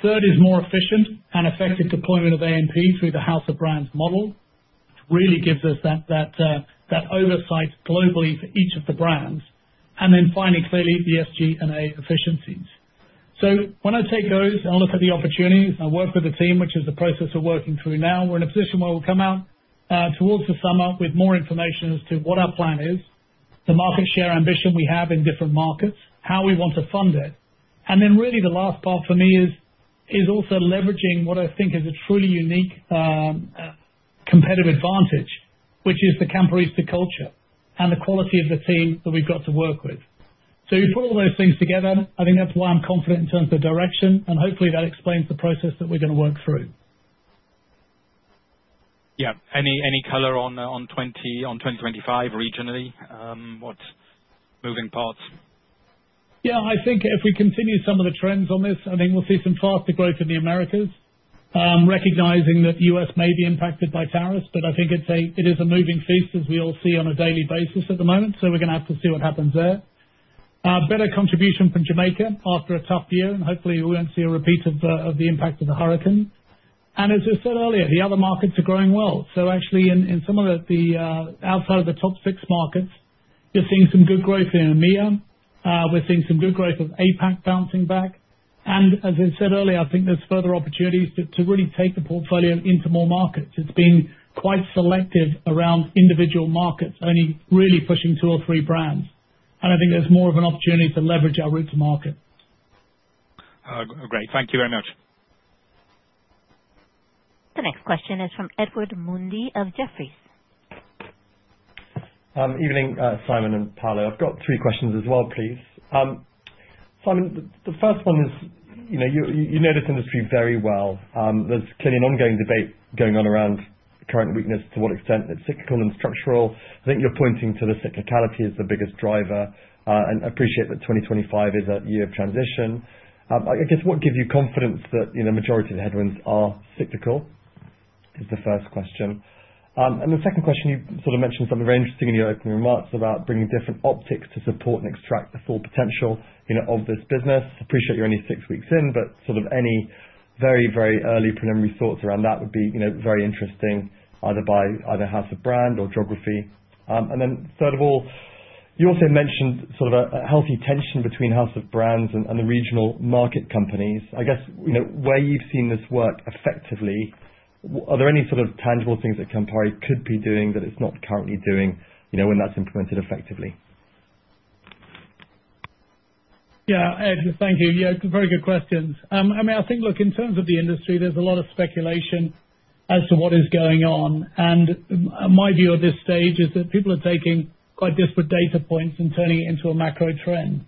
Third is more efficient and effective deployment of A&P through the House of Brands model, which really gives us that oversight globally for each of the brands. And then finally, clearly, the SG&A efficiencies. So when I take those and look at the opportunities, I work with the team, which is the process we're working through now. We're in a position where we'll come out towards the summer with more information as to what our plan is, the market share ambition we have in different markets, how we want to fund it, and then really the last part for me is also leveraging what I think is a truly unique competitive advantage, which is the Camparista culture and the quality of the team that we've got to work with, so you put all those things together. I think that's why I'm confident in terms of direction, and hopefully that explains the process that we're going to work through. Yeah, any color on 2025 regionally? What moving parts? Yeah, I think if we continue some of the trends on this, I think we'll see some faster growth in the Americas, recognizing that the U.S. may be impacted by tariffs, but I think it is a moving feast, as we all see on a daily basis at the moment. So we're going to have to see what happens there. Better contribution from Jamaica after a tough year, and hopefully we won't see a repeat of the impact of the hurricane. And as I said earlier, the other markets are growing well. So actually, in some of the outside of the top six markets, you're seeing some good growth in EMEA. We're seeing some good growth of APAC bouncing back. And as I said earlier, I think there's further opportunities to really take the portfolio into more markets. It's been quite selective around individual markets, only really pushing two or three brands. And I think there's more of an opportunity to leverage our route-to-market. Great. Thank you very much. The next question is from Edward Mundy of Jefferies. Evening, Simon and Paolo. I've got three questions as well, please. Simon, the first one is you know this industry very well. There's clearly an ongoing debate going on around current weakness, to what extent it's cyclical and structural. I think you're pointing to the cyclicality as the biggest driver, and I appreciate that 2025 is a year of transition. I guess, what gives you confidence that the majority of the headwinds are cyclical? Is the first question. And the second question, you sort of mentioned something very interesting in your opening remarks about bringing different optics to support and extract the full potential of this business. Appreciate you're only six weeks in, but sort of any very, very early preliminary thoughts around that would be very interesting, either by House of Brands or geography. And then third of all, you also mentioned sort of a healthy tension between House of Brands and the regional market companies. I guess, where you've seen this work effectively, are there any sort of tangible things that Campari could be doing that it's not currently doing when that's implemented effectively? Yeah, Ed, thank you. Yeah, very good questions. I mean, I think, look, in terms of the industry, there's a lot of speculation as to what is going on. And my view at this stage is that people are taking quite disparate data points and turning it into a macro trend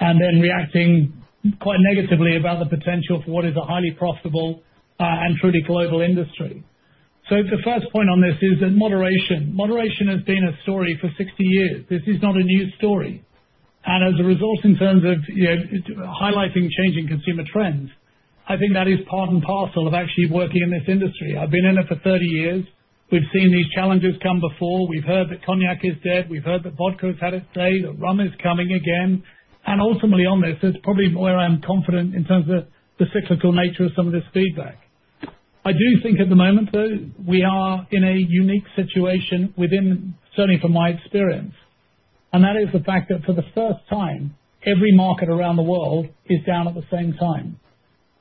and then reacting quite negatively about the potential for what is a highly profitable and truly global industry. So the first point on this is that moderation has been a story for 60 years. This is not a new story. And as a result, in terms of highlighting changing consumer trends, I think that is part and parcel of actually working in this industry. I've been in it for 30 years. We've seen these challenges come before. We've heard that Cognac is dead. We've heard that Vodka has had its day. The rum is coming again. And ultimately, on this, it's probably where I'm confident in terms of the cyclical nature of some of this feedback. I do think at the moment, though, we are in a unique situation within, certainly from my experience, and that is the fact that for the first time, every market around the world is down at the same time.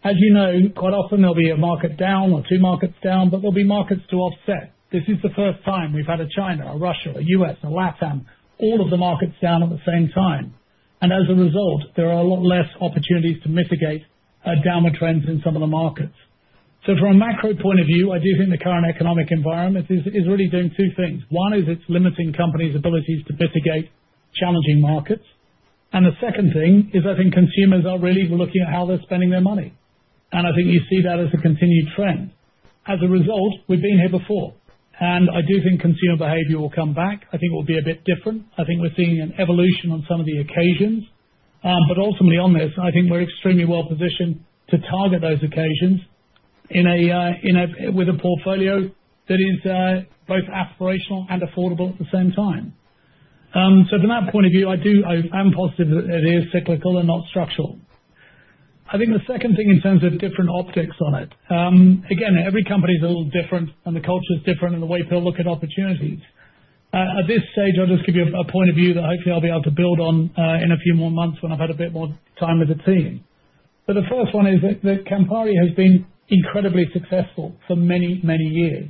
As you know, quite often there'll be a market down or two markets down, but there'll be markets to offset. This is the first time we've had a China, a Russia, a U.S., a LATAM, all of the markets down at the same time. And as a result, there are a lot less opportunities to mitigate downward trends in some of the markets. So from a macro point of view, I do think the current economic environment is really doing two things. One is it's limiting companies' abilities to mitigate challenging markets. And the second thing is I think consumers are really looking at how they're spending their money. And I think you see that as a continued trend. As a result, we've been here before. And I do think consumer behavior will come back. I think it will be a bit different. I think we're seeing an evolution on some of the occasions. But ultimately, on this, I think we're extremely well positioned to target those occasions with a portfolio that is both aspirational and affordable at the same time. So from that point of view, I am positive that it is cyclical and not structural. I think the second thing in terms of different optics on it, again, every company is a little different and the culture is different and the way people look at opportunities. At this stage, I'll just give you a point of view that hopefully I'll be able to build on in a few more months when I've had a bit more time with the team. But the first one is that Campari has been incredibly successful for many, many years.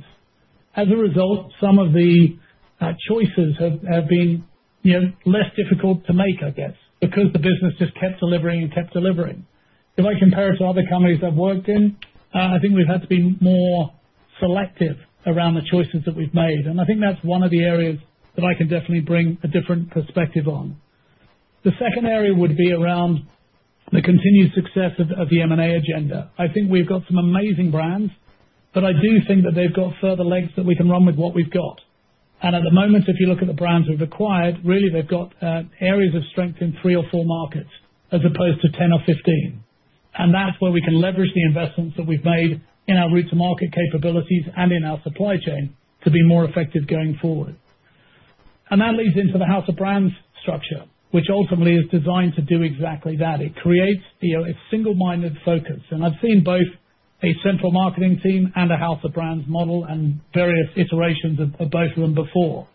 As a result, some of the choices have been less difficult to make, I guess, because the business just kept delivering and kept delivering. If I compare it to other companies I've worked in, I think we've had to be more selective around the choices that we've made. And I think that's one of the areas that I can definitely bring a different perspective on. The second area would be around the continued success of the M&A agenda. I think we've got some amazing brands, but I do think that they've got further legs that we can run with what we've got. And at the moment, if you look at the brands we've acquired, really they've got areas of strength in three or four markets as opposed to 10 or 15. That's where we can leverage the investments that we've made in our route-to-market capabilities and in our supply chain to be more effective going forward. That leads into the House of Brands structure, which ultimately is designed to do exactly that. It creates a single-minded focus. I've seen both a central marketing team and a House of Brands model and various iterations of both of them before.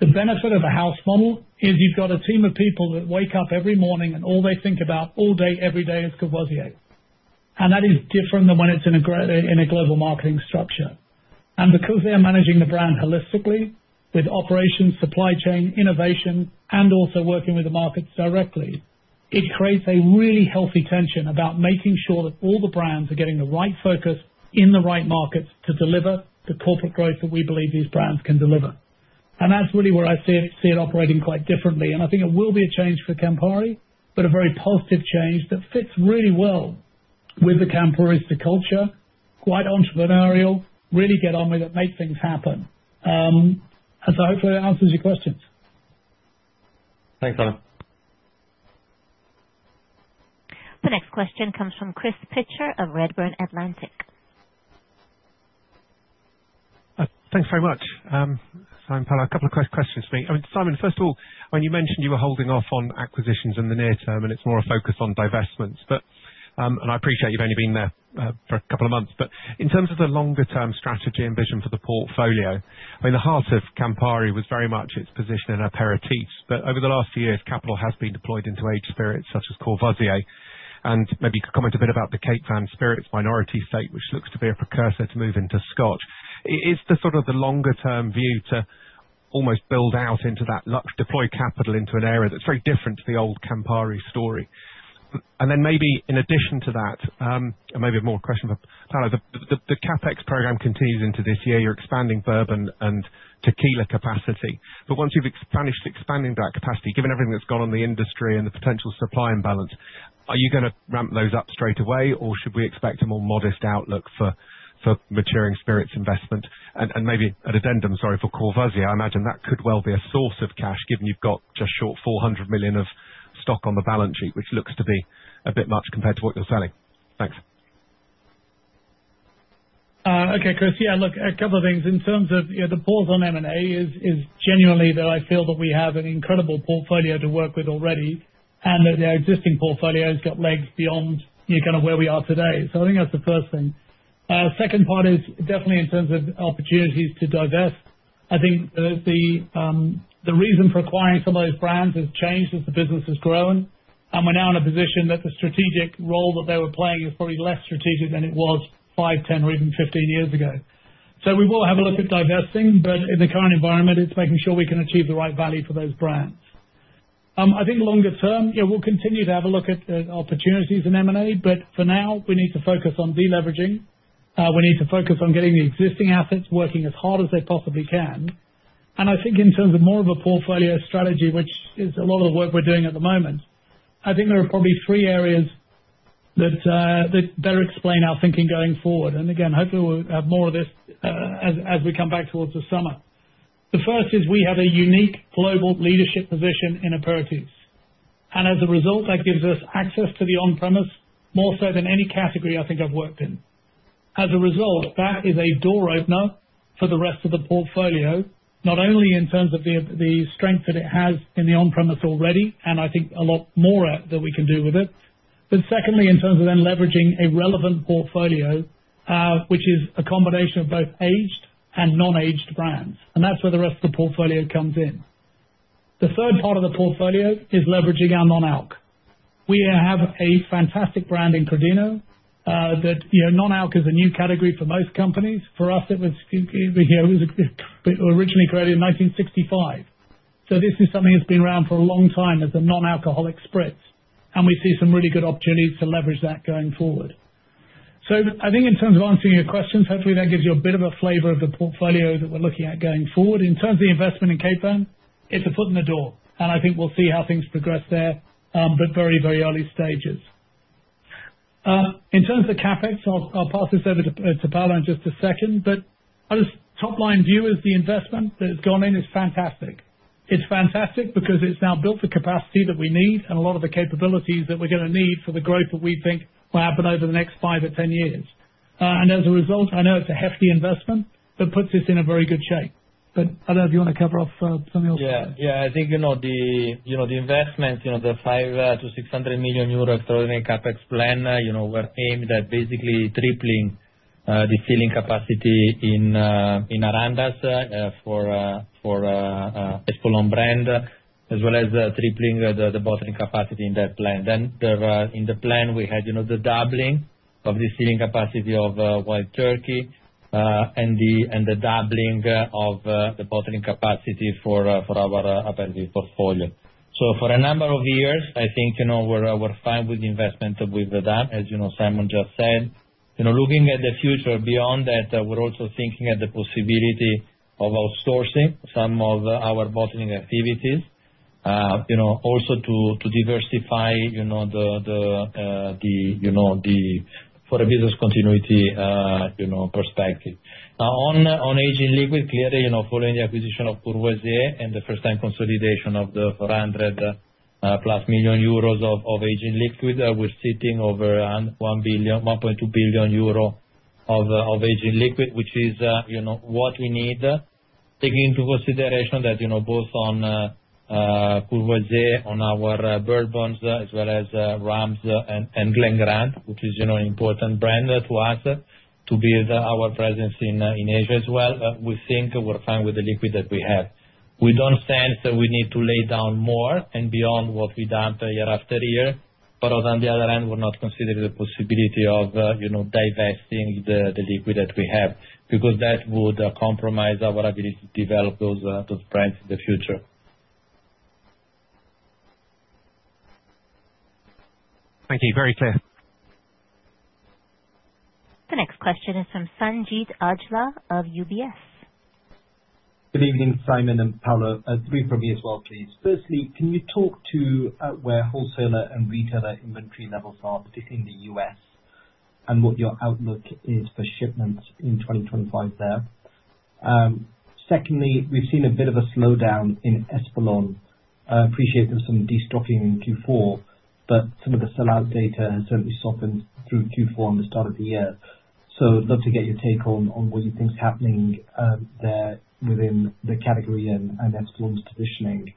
The benefit of a House of Brands model is you've got a team of people that wake up every morning and all they think about all day, every day is Courvoisier. That is different than when it's in a global marketing structure. And because they're managing the brand holistically with operations, supply chain, innovation, and also working with the markets directly, it creates a really healthy tension about making sure that all the brands are getting the right focus in the right markets to deliver the corporate growth that we believe these brands can deliver. And that's really where I see it operating quite differently. And I think it will be a change for Campari, but a very positive change that fits really well with the Camparista culture, quite entrepreneurial, really get on with it, make things happen. And so hopefully that answers your questions. Thanks, Simon. The next question comes from Chris Pitcher of Redburn Atlantic. Thanks very much. Simon, a couple of quick questions for me. Simon, first of all, when you mentioned you were holding off on acquisitions in the near term and it's more a focus on divestments, and I appreciate you've only been there for a couple of months, but in terms of the longer-term strategy and vision for the portfolio, I mean, the heart of Campari was very much its position in aperitifs. But over the last few years, capital has been deployed into aged spirits such as Courvoisier. And maybe you could comment a bit about the Capevin spirits minority stake, which looks to be a precursor to move into Scotch. Is sort of the longer-term view to almost build out into that, deploy capital into an area that's very different to the old Campari story? And then maybe in addition to that, and maybe more a question for Paolo, the CapEx program continues into this year. You're expanding bourbon and tequila capacity. But once you've managed to expand into that capacity, given everything that's gone on in the industry and the potential supply imbalance, are you going to ramp those up straight away, or should we expect a more modest outlook for maturing spirits investment? And maybe an addendum, sorry, for Courvoisier. I imagine that could well be a source of cash, given you've got just short of €400 million of stock on the balance sheet, which looks to be a bit much compared to what you're selling. Thanks. Okay, Chris. Yeah, look, a couple of things. In terms of the pause on M&A is genuinely that I feel that we have an incredible portfolio to work with already and that our existing portfolio has got legs beyond kind of where we are today. So I think that's the first thing. Second part is definitely in terms of opportunities to divest. I think the reason for acquiring some of those brands has changed as the business has grown. And we're now in a position that the strategic role that they were playing is probably less strategic than it was five, 10, or even 15 years ago. So we will have a look at divesting, but in the current environment, it's making sure we can achieve the right value for those brands. I think longer term, we'll continue to have a look at opportunities in M&A, but for now, we need to focus on deleveraging. We need to focus on getting the existing assets working as hard as they possibly can. And I think in terms of more of a portfolio strategy, which is a lot of the work we're doing at the moment, I think there are probably three areas that better explain our thinking going forward. And again, hopefully we'll have more of this as we come back towards the summer. The first is we have a unique global leadership position in aperitifs. And as a result, that gives us access to the on-premise more so than any category I think I've worked in. As a result, that is a door opener for the rest of the portfolio, not only in terms of the strength that it has in the on-premise already, and I think a lot more that we can do with it, but secondly, in terms of then leveraging a relevant portfolio, which is a combination of both aged and non-aged brands. That's where the rest of the portfolio comes in. The third part of the portfolio is leveraging our non-alc. We have a fantastic brand in Crodino that non-alc is a new category for most companies. For us, it was originally created in 1965. This is something that's been around for a long time as a non-alcoholic spritz. We see some really good opportunities to leverage that going forward. I think in terms of answering your questions, hopefully that gives you a bit of a flavor of the portfolio that we're looking at going forward. In terms of the investment in Capevin, it's a foot in the door. I think we'll see how things progress there, but very, very early stages. In terms of the CapEx, I'll pass this over to Paolo in just a second. But I'll just top-line view as the investment that has gone in is fantastic. It's fantastic because it's now built the capacity that we need and a lot of the capabilities that we're going to need for the growth that we think will happen over the next 5 to 10 years. And as a result, I know it's a hefty investment, but puts us in a very good shape. But I don't know if you want to cover off something else. Yeah, yeah. I think the investment, the €5-600 million euro extraordinary CapEx plan were aimed at basically tripling the distillation capacity in Arandas for Espolòn brand, as well as tripling the bottling capacity in that plant. Then in the plant, we had the doubling of the distillation capacity of Wild Turkey and the doubling of the bottling capacity for our aperitif portfolio. So for a number of years, I think we're fine with the investment that we've done, as Simon just said. Looking at the future beyond that, we're also thinking at the possibility of outsourcing some of our bottling activities, also to diversify the footprint for a business continuity perspective. Now, on aging liquid, clearly following the acquisition of Courvoisier and the first-time consolidation of the 400-plus million euros of aging liquid, we're sitting over 1.2 billion euro of aging liquid, which is what we need, taking into consideration that both on Courvoisier, on our bourbons, as well as rums and Glen Grant, which is an important brand to us to build our presence in Asia as well. We think we're fine with the liquid that we have. We don't sense that we need to lay down more and beyond what we do year after year. But on the other hand, we're not considering the possibility of divesting the liquid that we have because that would compromise our ability to develop those brands in the future. Thank you. Very clear. The next question is from Sanjeet Aujla of UBS. Good evening, Simon and Paolo. Three from me as well, please. Firstly, can you talk to where wholesaler and retailer inventory levels are, particularly in the U.S., and what your outlook is for shipments in 2025 there? Secondly, we've seen a bit of a slowdown in Espolòn. I appreciate there's some destocking in Q4, but some of the sell-out data has certainly softened through Q4 and the start of the year. So I'd love to get your take on what you think is happening there within the category and Espolòn's positioning.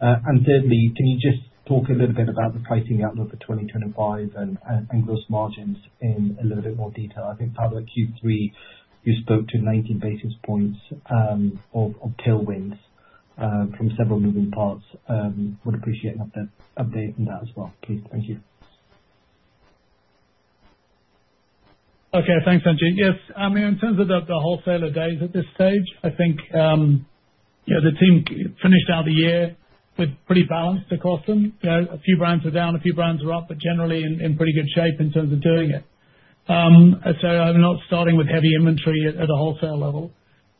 Thirdly, can you just talk a little bit about the pricing outlook for 2025 and gross margins in a little bit more detail? I think Paolo, Q3, you spoke to 19 basis points of tailwinds from several moving parts. Would appreciate an update on that as well, please. Thank you. Okay. Thanks, Sanjeet. Yes. I mean, in terms of the wholesaler days at this stage, I think the team finished out the year with pretty balanced stocking. A few brands are down, a few brands are up, but generally in pretty good shape in terms of doing it. So I'm not starting with heavy inventory at a wholesale level.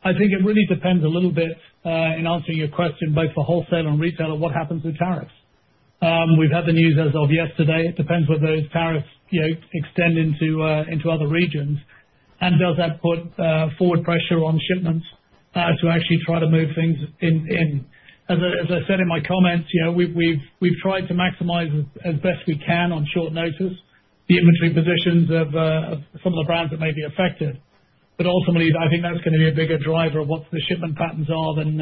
I think it really depends a little bit in answering your question, both for wholesale and retail, on what happens with tariffs. We've had the news as of yesterday. It depends whether those tariffs extend into other regions. Does that put forward pressure on shipments to actually try to move things in? As I said in my comments, we've tried to maximize as best we can on short notice the inventory positions of some of the brands that may be affected. But ultimately, I think that's going to be a bigger driver of what the shipment patterns are than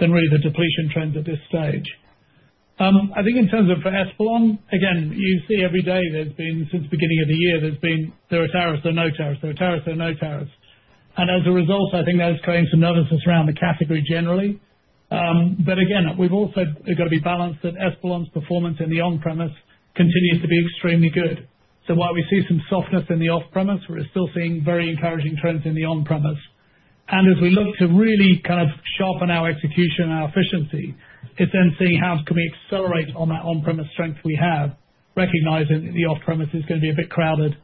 really the depletion trends at this stage. I think in terms of Espolòn, again, you see every day there's been, since the beginning of the year, there are tariffs, there are no tariffs, there are tariffs, there are no tariffs. And as a result, I think that's creating some nervousness around the category generally. But again, we've also got to be balanced that Espolòn's performance in the on-premise continues to be extremely good. While we see some softness in the off-premise, we're still seeing very encouraging trends in the on-premise. And as we look to really kind of sharpen our execution and our efficiency, it's then seeing how can we accelerate on that on-premise strength we have, recognizing that the off-premise is going to be a bit crowded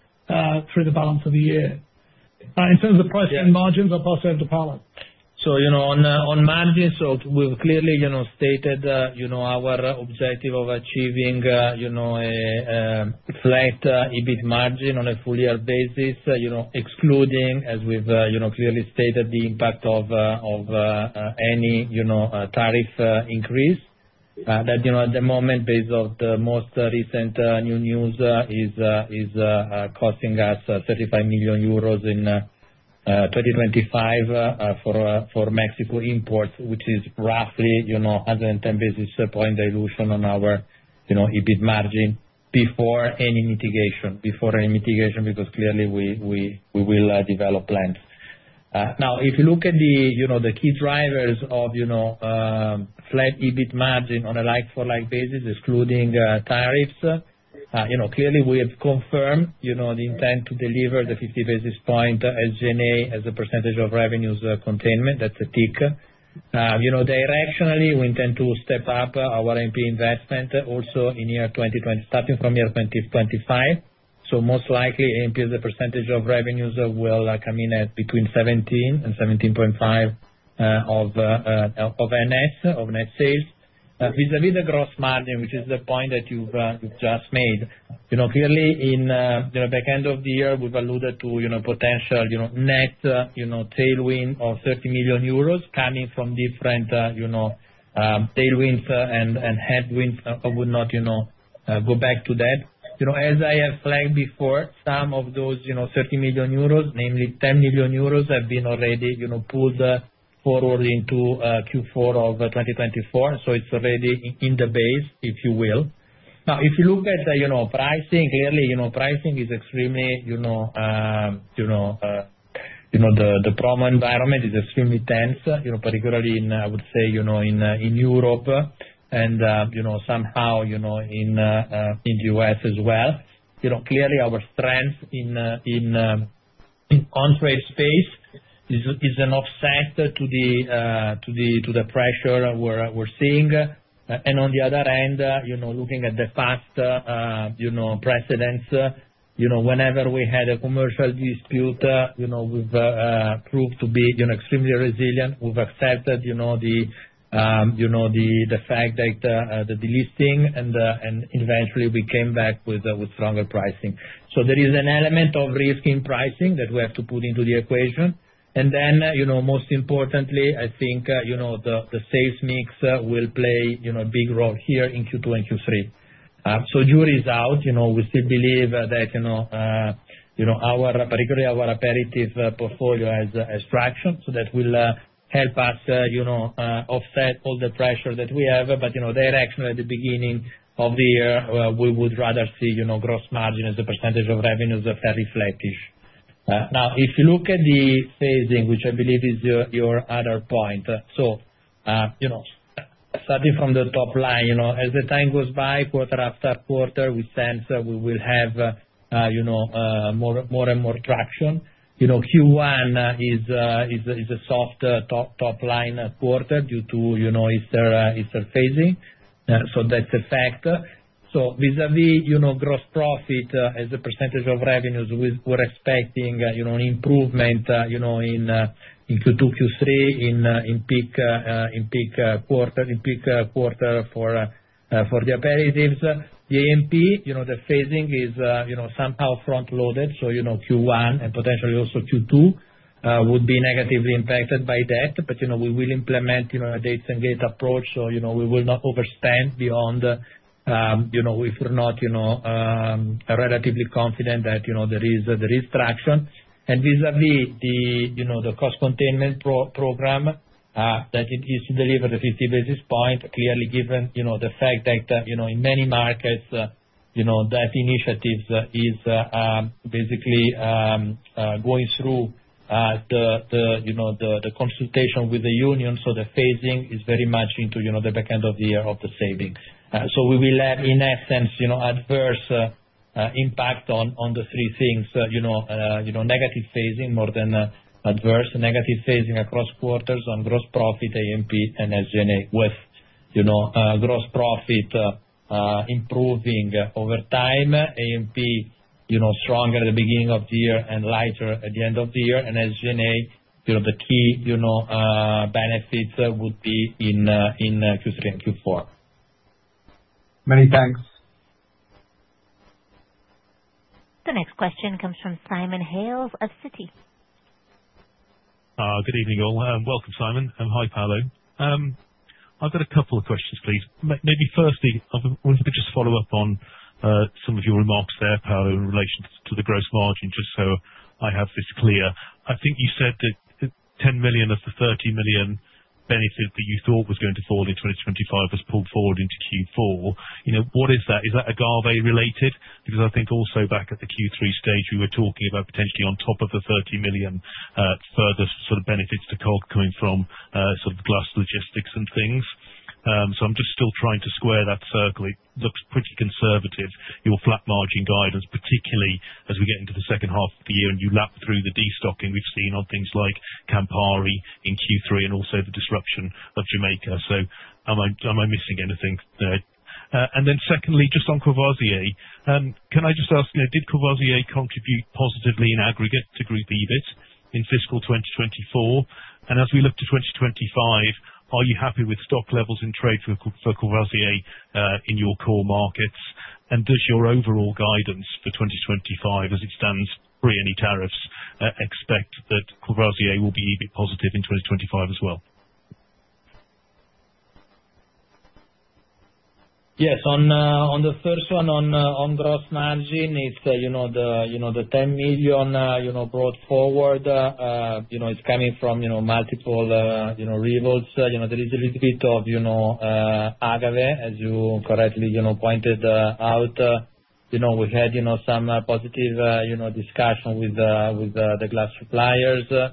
through the balance of the year. In terms of pricing and margins, I'll pass over to Paolo. On margins, we've clearly stated our objective of achieving a flat EBIT margin on a full-year basis, excluding, as we've clearly stated, the impact of any tariff increase. That at the moment, based off the most recent new news, is costing us 35 million euros in 2025 for Mexico imports, which is roughly 110 basis point dilution on our EBIT margin before any mitigation, before any mitigation, because clearly we will develop plans. Now, if you look at the key drivers of flat EBIT margin on a like-for-like basis, excluding tariffs, clearly we have confirmed the intent to deliver the 50 basis points SG&A as a percentage of revenues containment. That's a tick. Directionally, we intend to step up our A&P investment also in year 2024, starting from year 2025. So most likely, A&P as a percentage of revenues will come in at between 17% and 17.5% of net sales. Vis-à-vis the gross margin, which is the point that you've just made, clearly in the back end of the year, we've alluded to potential net tailwind of 30 million euros coming from different tailwinds and headwinds that would not go back to debt. As I have flagged before, some of those 30 million euros, namely 10 million euros, have been already pulled forward into Q4 of 2024. So it's already in the base, if you will. Now, if you look at pricing, clearly pricing is extremely the promo environment is extremely tense, particularly in, I would say, in Europe and somehow in the U.S. as well. Clearly, our strength in the on-trade space is an offset to the pressure we're seeing. And on the other end, looking at the past precedents, whenever we had a commercial dispute, we've proved to be extremely resilient. We've accepted the fact that the delisting, and eventually we came back with stronger pricing. So there is an element of risk in pricing that we have to put into the equation. And then, most importantly, I think the sales mix will play a big role here in Q2 and Q3. So, due to results, we still believe that particularly our aperitif portfolio has traction, so that will help us offset all the pressure that we have. But directionally, at the beginning of the year, we would rather see gross margin as a percentage of revenues that reflect this. Now, if you look at the phasing, which I believe is your other point, so starting from the top line, as the time goes by, quarter after quarter, we sense we will have more and more traction. Q1 is a soft top-line quarter due to Easter phasing. So that's a fact. So vis-à-vis gross profit as a percentage of revenues, we're expecting an improvement in Q2, Q3 in peak quarter for the aperitifs. The A&P, the phasing is somehow front-loaded. So Q1 and potentially also Q2 would be negatively impacted by that. But we will implement a date-and-gate approach. So we will not overspend beyond if we're not relatively confident that there is traction. And vis-à-vis the cost containment program that is delivered at 50 basis points, clearly given the fact that in many markets, that initiative is basically going through the consultation with the union. So the phasing is very much into the back end of the year of the savings. So we will have, in essence, adverse impact on the three things: negative phasing more than adverse, negative phasing across quarters on gross profit, A&P, and SG&A with gross profit improving over time, A&P stronger at the beginning of the year and lighter at the end of the year. And SG&A, the key benefits would be in Q3 and Q4. Many thanks. The next question comes from Simon Hales of Citi. Good evening, all. Welcome, Simon. And hi, Paolo. I've got a couple of questions, please. Maybe firstly, I wanted to just follow up on some of your remarks there, Paolo, in relation to the gross margin, just so I have this clear. I think you said that €10 million of the €30 million benefit that you thought was going to fall in 2025 was pulled forward into Q4. What is that? Is that agave-related? Because I think also back at the Q3 stage, we were talking about potentially on top of the €30 million further sort of benefits to COG coming from sort of glass logistics and things. So I'm just still trying to square that circle. It looks pretty conservative, your flat margin guidance, particularly as we get into the second half of the year and you lap through the destocking we've seen on things like Campari in Q3 and also the disruption of Jamaica. So am I missing anything? Then secondly, just on Courvoisier, can I just ask, did Courvoisier contribute positively in aggregate to Group EBIT in fiscal 2024? And as we look to 2025, are you happy with stock levels in trade for Courvoisier in your core markets? And does your overall guidance for 2025, as it stands, barring any tariffs, expect that Courvoisier will be EBIT positive in 2025 as well? Yes. On the first one, on gross margin, it's the €10 million brought forward. It's coming from multiple levers. There is a little bit of agave, as you correctly pointed out. We had some positive discussion with the glass suppliers.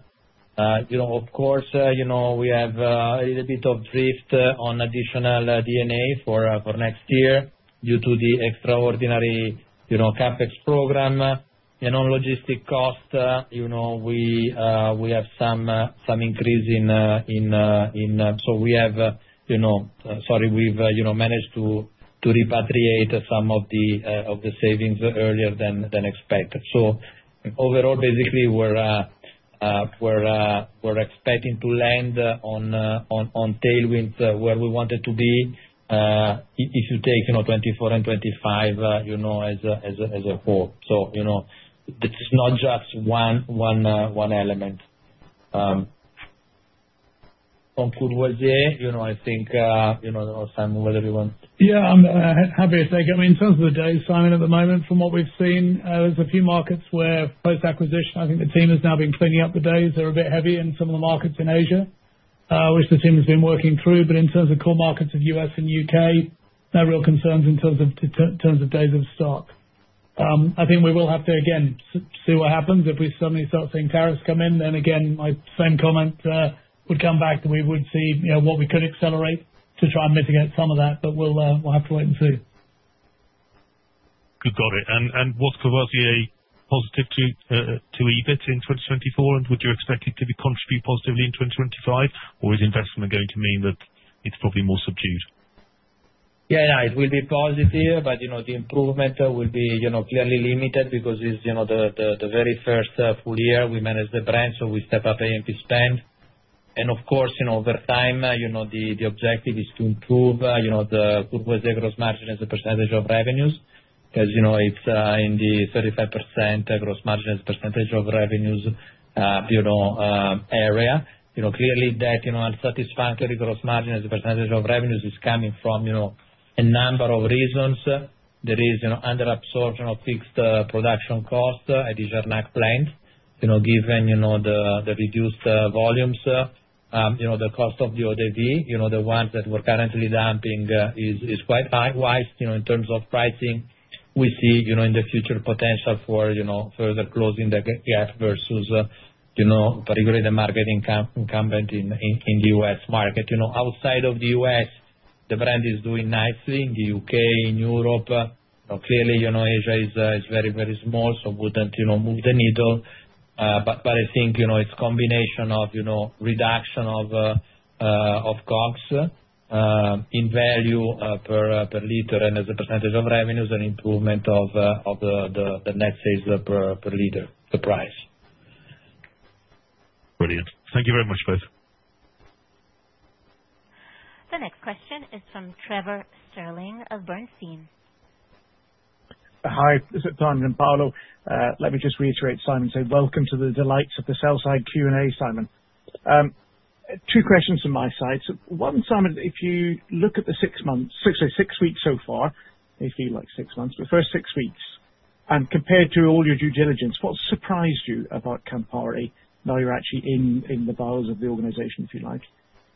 Of course, we have a little bit of headwind on additional FX for next year due to the extraordinary CapEx program. And on logistics costs, we have some increase in. So, sorry, we've managed to repatriate some of the savings earlier than expected. Overall, basically, we're expecting to land on tailwinds where we wanted to be if you take 2024 and 2025 as a whole. It's not just one element. On Courvoisier, I think Simon, whether you want. Yeah, I'm happy to take it. I mean, in terms of the days, Simon, at the moment, from what we've seen, there's a few markets where post-acquisition, I think the team has now been cleaning up the days. They're a bit heavy in some of the markets in Asia, which the team has been working through. But in terms of core markets of U.S. and U.K., no real concerns in terms of days of stock. I think we will have to, again, see what happens. If we suddenly start seeing tariffs come in, then again, my same comment would come back that we would see what we could accelerate to try and mitigate some of that, but we'll have to wait and see. You got it. And was Courvoisier positive to EBIT in 2024, and would you expect it to contribute positively in 2025, or is investment going to mean that it's probably more subdued? Yeah, it will be positive here, but the improvement will be clearly limited because it's the very first full year we manage the brand, so we step up A&P spend. And of course, over time, the objective is to improve the Courvoisier gross margin as a percentage of revenues because it's in the 35% gross margin as a percentage of revenues area. Clearly, that unsatisfactory gross margin as a percentage of revenues is coming from a number of reasons. There is under-absorption of fixed production costs at the Jarnac plant. Given the reduced volumes, the cost of the ODV, the ones that we're currently dumping, is quite high. While in terms of pricing, we see in the future potential for further closing the gap versus particularly the market incumbent in the U.S. market. Outside of the U.S., the brand is doing nicely in the U.K., in Europe. Clearly, Asia is very, very small, so wouldn't move the needle. But I think it's a combination of reduction of COGS in value per liter and as a percentage of revenues and improvement of the net sales per liter, the price. Brilliant. Thank you very much, both. The next question is from Trevor Stirling of Bernstein. Hi, this is Tom and Paolo. Let me just reiterate, Simon, say welcome to the delights of the sell-side Q&A, Simon. Two questions on my side. One, Simon, if you look at the six months, six weeks so far, if you like six months, but first six weeks, and compared to all your due diligence, what surprised you about Campari now you're actually in the bowels of the organization, if you like?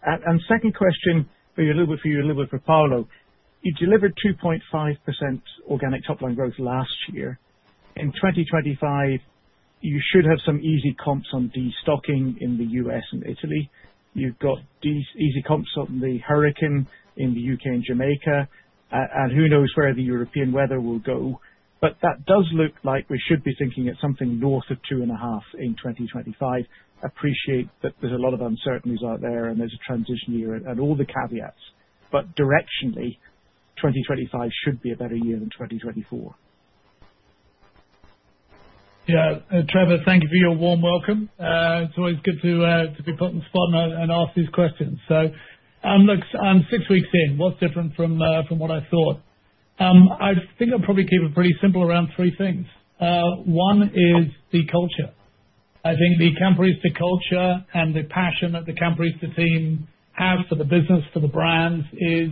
And second question, maybe a little bit for you, a little bit for Paolo. You delivered 2.5% organic top-line growth last year. In 2025, you should have some easy comps on destocking in the U.S. and Italy. You've got easy comps on the hurricane in the U.K. and Jamaica, and who knows where the European weather will go. But that does look like we should be thinking at something north of two and a half in 2025. Appreciate that there's a lot of uncertainties out there and there's a transition year and all the caveats. But directionally, 2025 should be a better year than 2024. Yeah. Trevor, thank you for your warm welcome. It's always good to be put on the spot and ask these questions. So I'm six weeks in. What's different from what I thought? I think I'll probably keep it pretty simple around three things. One is the culture. I think the Camparista culture and the passion that the Camparista team have for the business, for the brands, is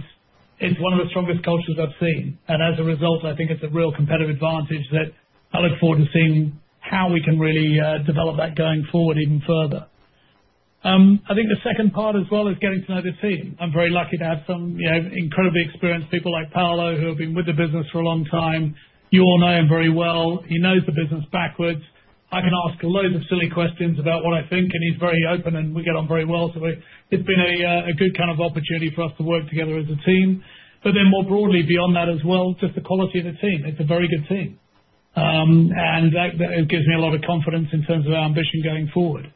one of the strongest cultures I've seen. And as a result, I think it's a real competitive advantage that I look forward to seeing how we can really develop that going forward even further. I think the second part as well is getting to know the team. I'm very lucky to have some incredibly experienced people like Paolo who have been with the business for a long time. You all know him very well. He knows the business backwards. I can ask loads of silly questions about what I think, and he's very open, and we get on very well. So it's been a good kind of opportunity for us to work together as a team. But then more broadly, beyond that as well, just the quality of the team. It's a very good team. And it gives me a lot of confidence in terms of our ambition going forward.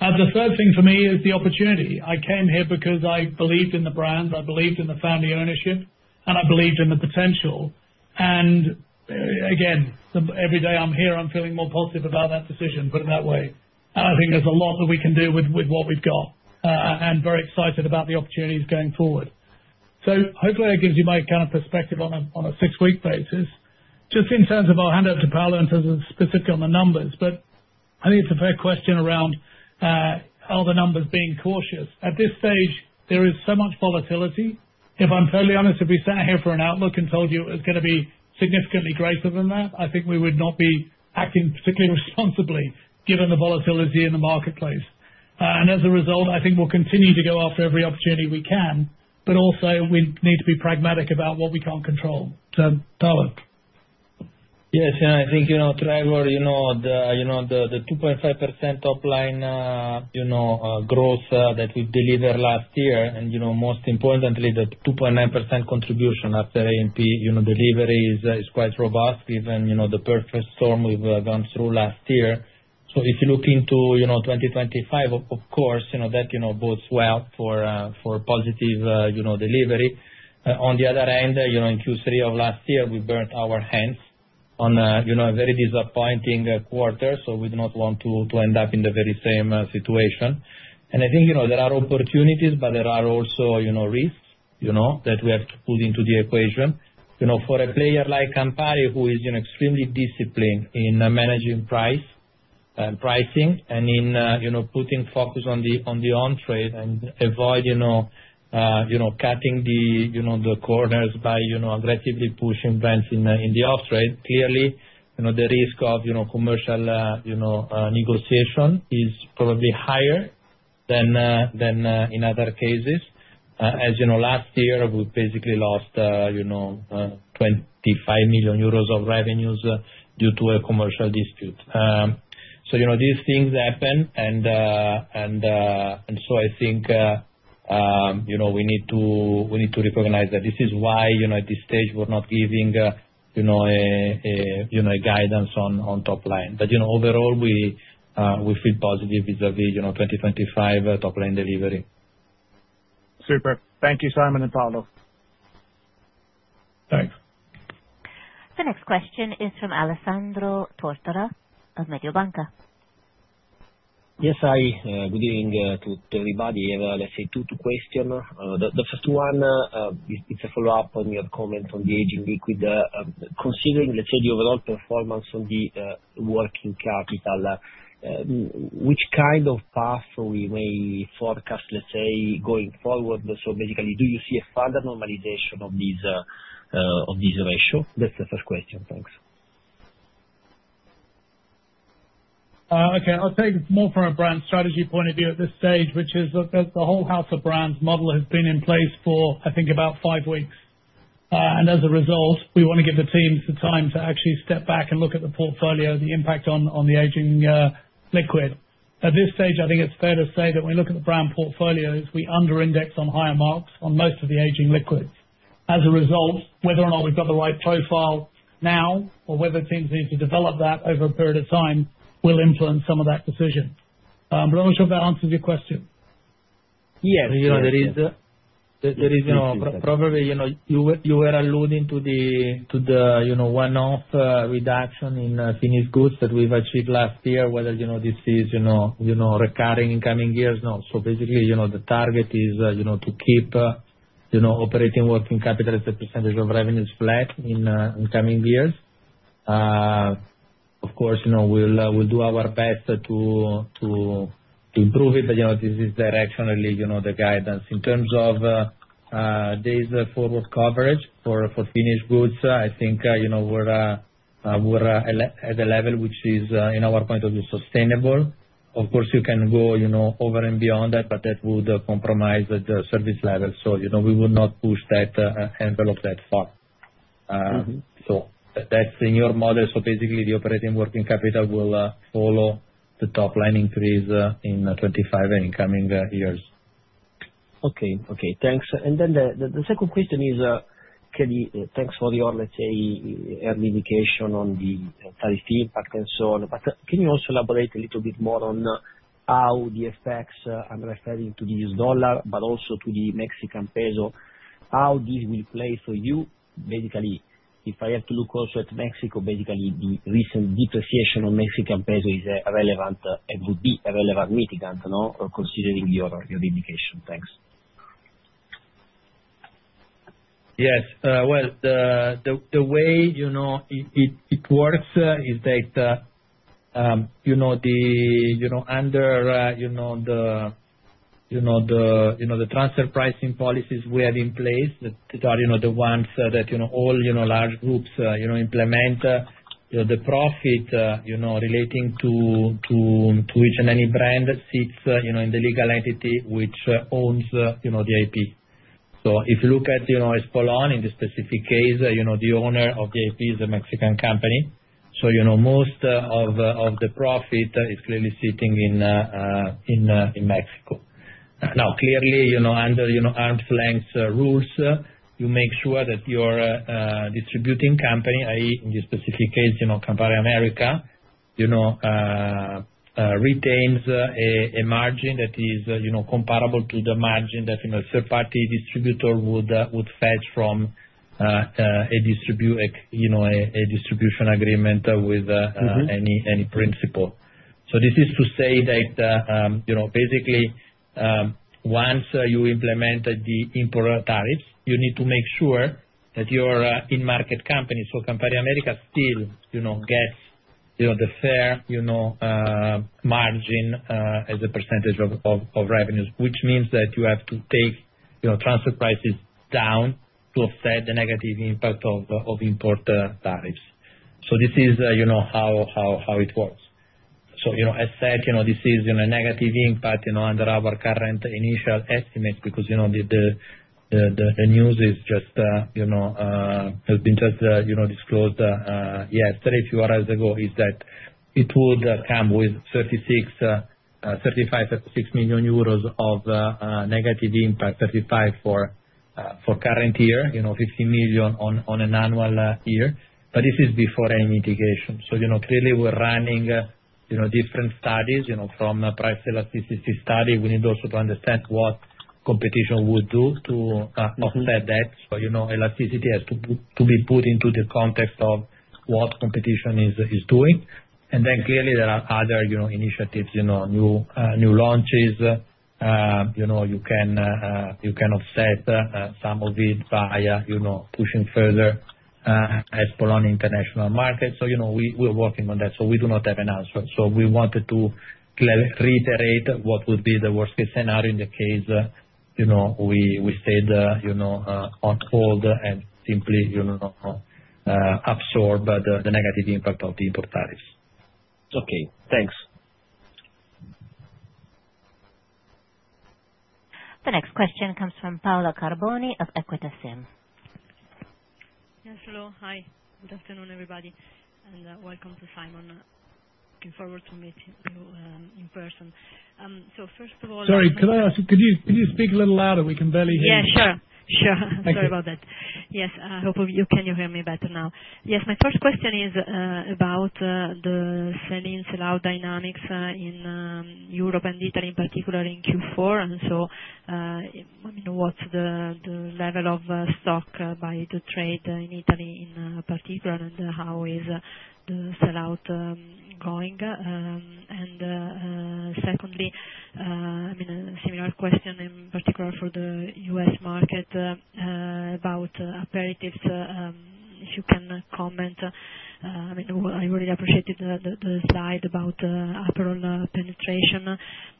The third thing for me is the opportunity. I came here because I believed in the brand, I believed in the family ownership, and I believed in the potential. And again, every day I'm here, I'm feeling more positive about that decision, put it that way. And I think there's a lot that we can do with what we've got and very excited about the opportunities going forward. So hopefully, that gives you my kind of perspective on a six-week basis. Just in terms of, I'll hand over to Paolo in terms of specific on the numbers, but I think it's a fair question around all the numbers being cautious. At this stage, there is so much volatility. If I'm totally honest, if we sat here for an outlook and told you it was going to be significantly greater than that, I think we would not be acting particularly responsibly given the volatility in the marketplace. And as a result, I think we'll continue to go after every opportunity we can, but also we need to be pragmatic about what we can't control. So Paolo? Yes. Yeah. I think, Trevor, the 2.5% top-line growth that we delivered last year, and most importantly, the 2.9% contribution after A&P delivery is quite robust given the perfect storm we've gone through last year. So if you look into 2025, of course, that bodes well for positive delivery. On the other hand, in Q3 of last year, we burnt our hands on a very disappointing quarter, so we do not want to end up in the very same situation. And I think there are opportunities, but there are also risks that we have to put into the equation. For a player like Campari, who is extremely disciplined in managing price and pricing and in putting focus on the on-trade and avoiding cutting the corners by aggressively pushing brands in the off-trade, clearly the risk of commercial negotiation is probably higher than in other cases. As last year, we basically lost €25 million of revenues due to a commercial dispute. So these things happen, and so I think we need to recognize that this is why at this stage we're not giving a guidance on top-line. But overall, we feel positive vis-à-vis 2025 top-line delivery. Super. Thank you, Simon and Paolo. Thanks. The next question is from Alessandro Tortora of Mediobanca. Yes, hi. Good evening to everybody. Let's say two questions. The first one, it's a follow-up on your comment on the aging liquid. Considering, let's say, the overall performance on the working capital, which kind of path we may forecast, let's say, going forward? So basically, do you see a further normalization of this ratio? That's the first question. Thanks. Okay. I'll take it more from a brand strategy point of view at this stage, which is that the whole house of brands model has been in place for, I think, about five weeks, and as a result, we want to give the teams the time to actually step back and look at the portfolio, the impact on the aging liquid. At this stage, I think it's fair to say that when we look at the brand portfolios, we underindex on higher marks on most of the aging liquids. As a result, whether or not we've got the right profile now or whether teams need to develop that over a period of time will influence some of that decision. But I'm not sure if that answers your question. Yes. There is probably you were alluding to the one-off reduction in finished goods that we've achieved last year, whether this is recurring in coming years. No. So basically, the target is to keep operating working capital as a percentage of revenues flat in coming years. Of course, we'll do our best to improve it, but this is directionally, the guidance. In terms of days forward coverage for finished goods, I think we're at a level which is, in our point of view, sustainable. Of course, you can go over and beyond that, but that would compromise the service level. So we would not push that envelope that far. So that's in your model. So basically, the operating working capital will follow the top-line increase in 2025 and incoming years. Okay. Okay. Thanks. And then the second question is, thanks for your, let's say, early indication on the tariff impact and so on. But can you also elaborate a little bit more on how the effects I'm referring to this dollar, but also to the Mexican peso, how these will play for you? Basically, if I have to look also at Mexico, basically, the recent depreciation on Mexican peso is a relevant and would be a relevant mitigant, considering your indication. Thanks. Yes. Well, the way it works is that under the transfer pricing policies we have in place, that are the ones that all large groups implement, the profit relating to each and any brand sits in the legal entity which owns the A&P. So if you look at Espolòn in this specific case, the owner of the A&P is a Mexican company. So most of the profit is clearly sitting in Mexico. Now, clearly, under arm's length rules, you make sure that your distributing company, i.e., in this specific case, Campari America, retains a margin that is comparable to the margin that a third-party distributor would fetch from a distribution agreement with any principal. So this is to say that basically, once you implement the importer tariffs, you need to make sure that you're in-market company. So Campari America still gets the fair margin as a percentage of revenues, which means that you have to take transfer prices down to offset the negative impact of importer tariffs. So this is how it works. As said, this is a negative impact under our current initial estimates because the news has been just disclosed yesterday, a few hours ago. It would come with €35-€36 million of negative impact, €35 million for current year, €15 million on an annual year. But this is before any mitigation. Clearly, we're running different studies from price elasticity study. We need also to understand what competition would do to offset that. Elasticity has to be put into the context of what competition is doing. Then clearly, there are other initiatives, new launches. You can offset some of it by pushing further Espolòn international market. We're working on that. We do not have an answer. We wanted to reiterate what would be the worst-case scenario in the case we stayed on hold and simply absorbed the negative impact of the import tariffs. Okay. Thanks. The next question comes from Paola Carboni of Equita SIM. Yes. Hello. Hi. Good afternoon, everybody. And welcome to Simon. Looking forward to meeting you in person. So first of all. Sorry. Could you speak a little louder? We can barely hear you. Yeah. Sure. Sure. Sorry about that. Yes. I hope you can hear me better now. Yes. My first question is about the sell-in sell-out dynamics in Europe and Italy, in particular in Q4. And so what's the level of stock by the trade in Italy in particular, and how is the sell-out going? And secondly, I mean, a similar question in particular for the U.S. market about aperitifs. If you can comment, I mean, I really appreciated the slide about Aperol penetration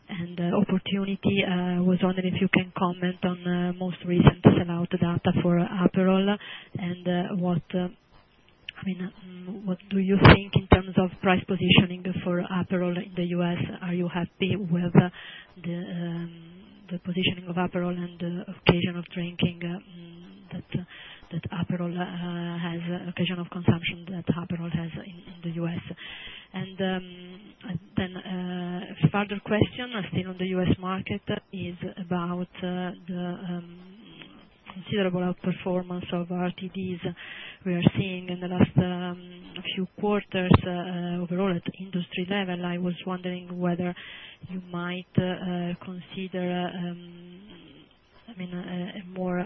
and opportunity. I was wondering if you can comment on most recent sell-out data for Aperol and what do you think in terms of price positioning for Aperol in the U.S.? Are you happy with the positioning of Aperol and the occasion of consumption that Aperol has in the U.S.? And then a further question, still on the U.S. market, is about the considerable outperformance of RTDs we are seeing in the last few quarters overall at industry level. I was wondering whether you might consider, I mean, a more,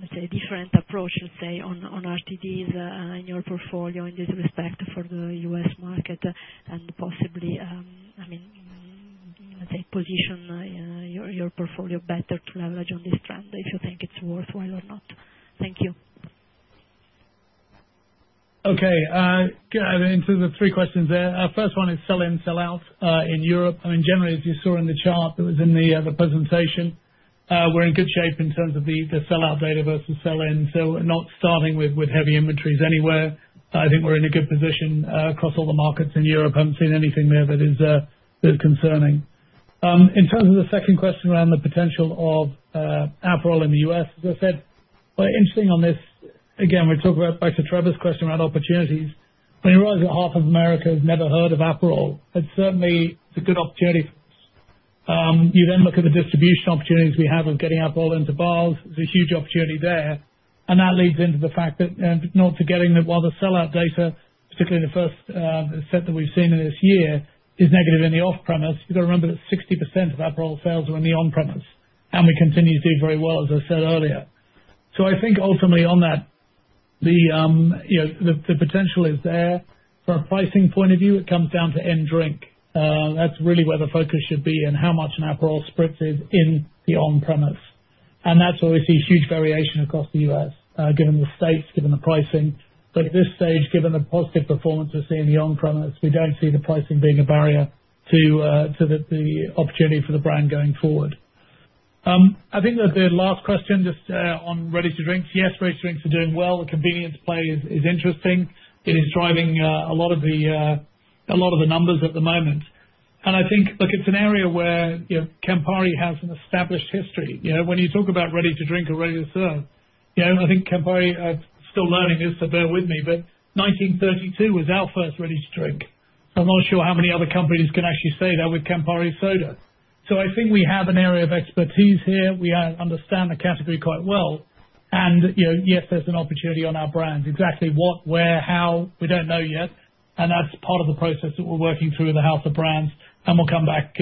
let's say, different approach, let's say, on RTDs in your portfolio in this respect for the U.S. market and possibly, I mean, let's say, position your portfolio better to leverage on this trend if you think it's worthwhile or not. Thank you. Okay. Get into the three questions there. First one is sell in, sell out in Europe. I mean, generally, as you saw in the chart that was in the presentation, we're in good shape in terms of the sellout data versus sell in. So not starting with heavy inventories anywhere, I think we're in a good position across all the markets in Europe. I haven't seen anything there that is concerning. In terms of the second question around the potential of Aperol in the U.S., as I said, quite interesting on this. Again, we're talking about back to Trevor's question around opportunities. When you realize that half of America has never heard of Aperol, it's certainly a good opportunity for us. You then look at the distribution opportunities we have of getting Aperol into bars. There's a huge opportunity there. That leads into the fact that, not forgetting that, while the sell-out data, particularly the first set that we've seen in this year, is negative in the off-premise, you've got to remember that 60% of Aperol sales are in the on-premise, and we continue to do very well, as I said earlier. I think ultimately on that, the potential is there. From a pricing point of view, it comes down to end drink. That's really where the focus should be and how much an Aperol Spritz is in the on-premise. That's where we see huge variation across the U.S., given the states, given the pricing. At this stage, given the positive performance we're seeing in the on-premise, we don't see the pricing being a barrier to the opportunity for the brand going forward. I think that the last question just on ready-to-drinks, yes, ready-to-drinks are doing well. The convenience play is interesting. It is driving a lot of the numbers at the moment. And I think, look, it's an area where Campari has an established history. When you talk about ready-to-drink or ready-to-serve, I think Campari are still learning this, so bear with me, but 1932 was our first ready-to-drink. I'm not sure how many other companies can actually say that with Campari Soda. So I think we have an area of expertise here. We understand the category quite well. And yes, there's an opportunity on our brands. Exactly what, where, how, we don't know yet. And that's part of the process that we're working through with the House of Brands. And we'll come back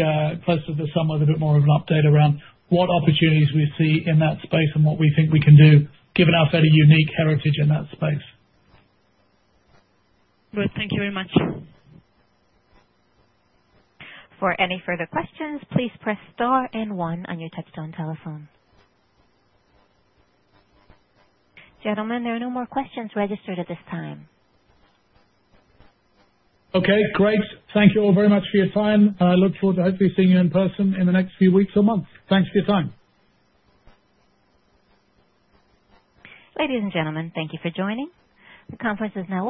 closer to the summer with a bit more of an update around what opportunities we see in that space and what we think we can do, given our fairly unique heritage in that space. Good. Thank you very much. For any further questions, please press star and one on your touch-tone telephone. Gentlemen, there are no more questions registered at this time. Okay. Great. Thank you all very much for your time. And I look forward to hopefully seeing you in person in the next few weeks or months. Thanks for your time. Ladies and gentlemen, thank you for joining. The conference is now.